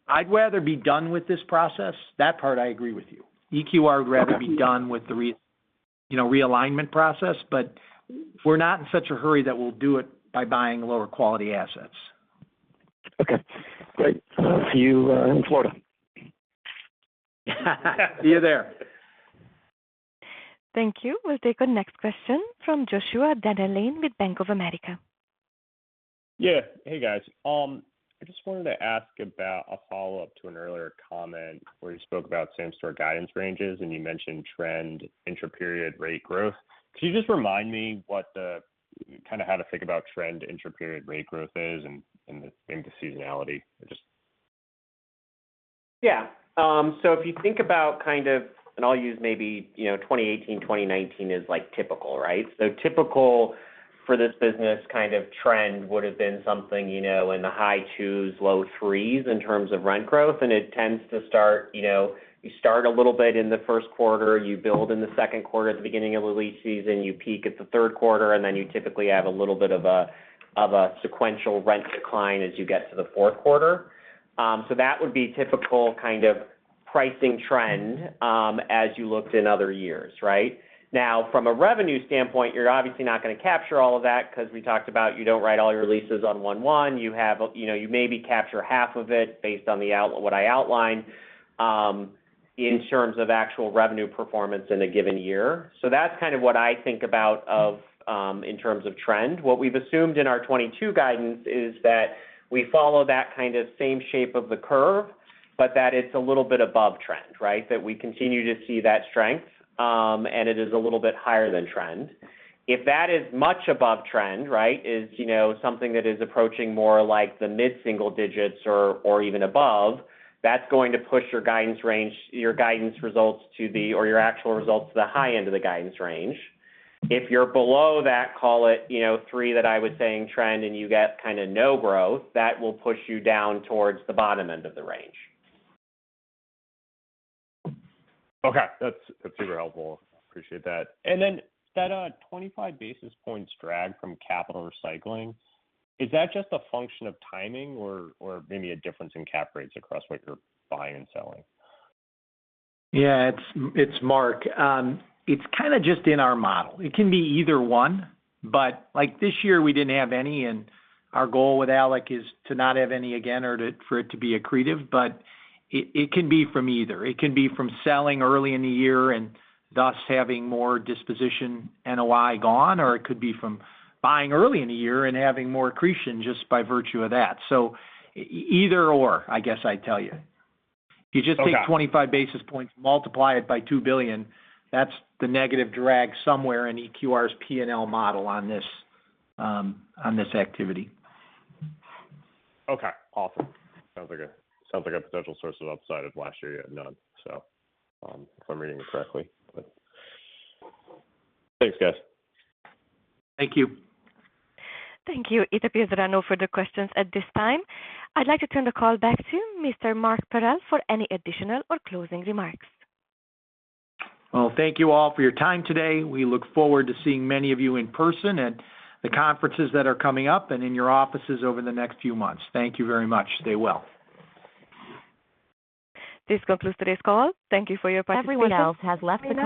I'd rather be done with this process. That part I agree with you. EQR would rather be done with the you know, realignment process, but we're not in such a hurry that we'll do it by buying lower quality assets. Okay. Great. See you in Florida. See you there. Thank you. We'll take our next question from Joshua Dennerlein with Bank of America. Yeah. Hey, guys. I just wanted to ask about a follow-up to an earlier comment where you spoke about same-store guidance ranges, and you mentioned trend intra-period rate growth. Could you just remind me what the kind of how to think about trend intra-period rate growth is and the seasonality? I just- Yeah. If you think about kind of, I'll use maybe, you know, 2018, 2019 is like typical, right? Typical for this business kind of trend would have been something, you know, in the high 2s, low 3s in terms of rent growth. It tends to start, you know, you start a little bit in the first quarter, you build in the second quarter at the beginning of the lease season, you peak at the third quarter, and then you typically have a little bit of a sequential rent decline as you get to the fourth quarter. That would be typical kind of pricing trend as you looked in other years, right? Now, from a revenue standpoint, you're obviously not gonna capture all of that 'cause we talked about you don't write all your leases on 1/1. You have, you know, you maybe capture half of it based on what I outlined in terms of actual revenue performance in a given year. That's kind of what I think about in terms of trend. What we've assumed in our 2022 guidance is that we follow that kind of same shape of the curve, but that it's a little bit above trend, right? That we continue to see that strength, and it is a little bit higher than trend. If that is much above trend, right? Something that is approaching more like the mid-single digits or even above, that's going to push your guidance range or your actual results to the high end of the guidance range. If you're below that, call it, you know, 3%, the trend that I was saying and you get kind of no growth, that will push you down towards the bottom end of the range. Okay. That's super helpful. Appreciate that. That 25 basis points drag from capital recycling, is that just a function of timing or maybe a difference in cap rates across what you're buying and selling? Yeah. It's Mark. It's kind of just in our model. It can be either one, but like, this year we didn't have any, and our goal with Alec is to not have any again or for it to be accretive. It can be from either. It can be from selling early in the year and thus having more disposition NOI gone, or it could be from buying early in the year and having more accretion just by virtue of that. Either or, I guess I'd tell you. You just take 25 basis points, multiply it by $2 billion. That's the negative drag somewhere in EQR's P&L model on this activity. Okay. Awesome. Sounds like a potential source of upside of last year, you had none, so, if I'm reading it correctly. Thanks, guys. Thank you. Thank you. It appears there are no further questions at this time. I'd like to turn the call back to Mr. Mark Parrell for any additional or closing remarks. Well, thank you all for your time today. We look forward to seeing many of you in person at the conferences that are coming up and in your offices over the next few months. Thank you very much. Stay well. This concludes today's call. Thank you for your participation.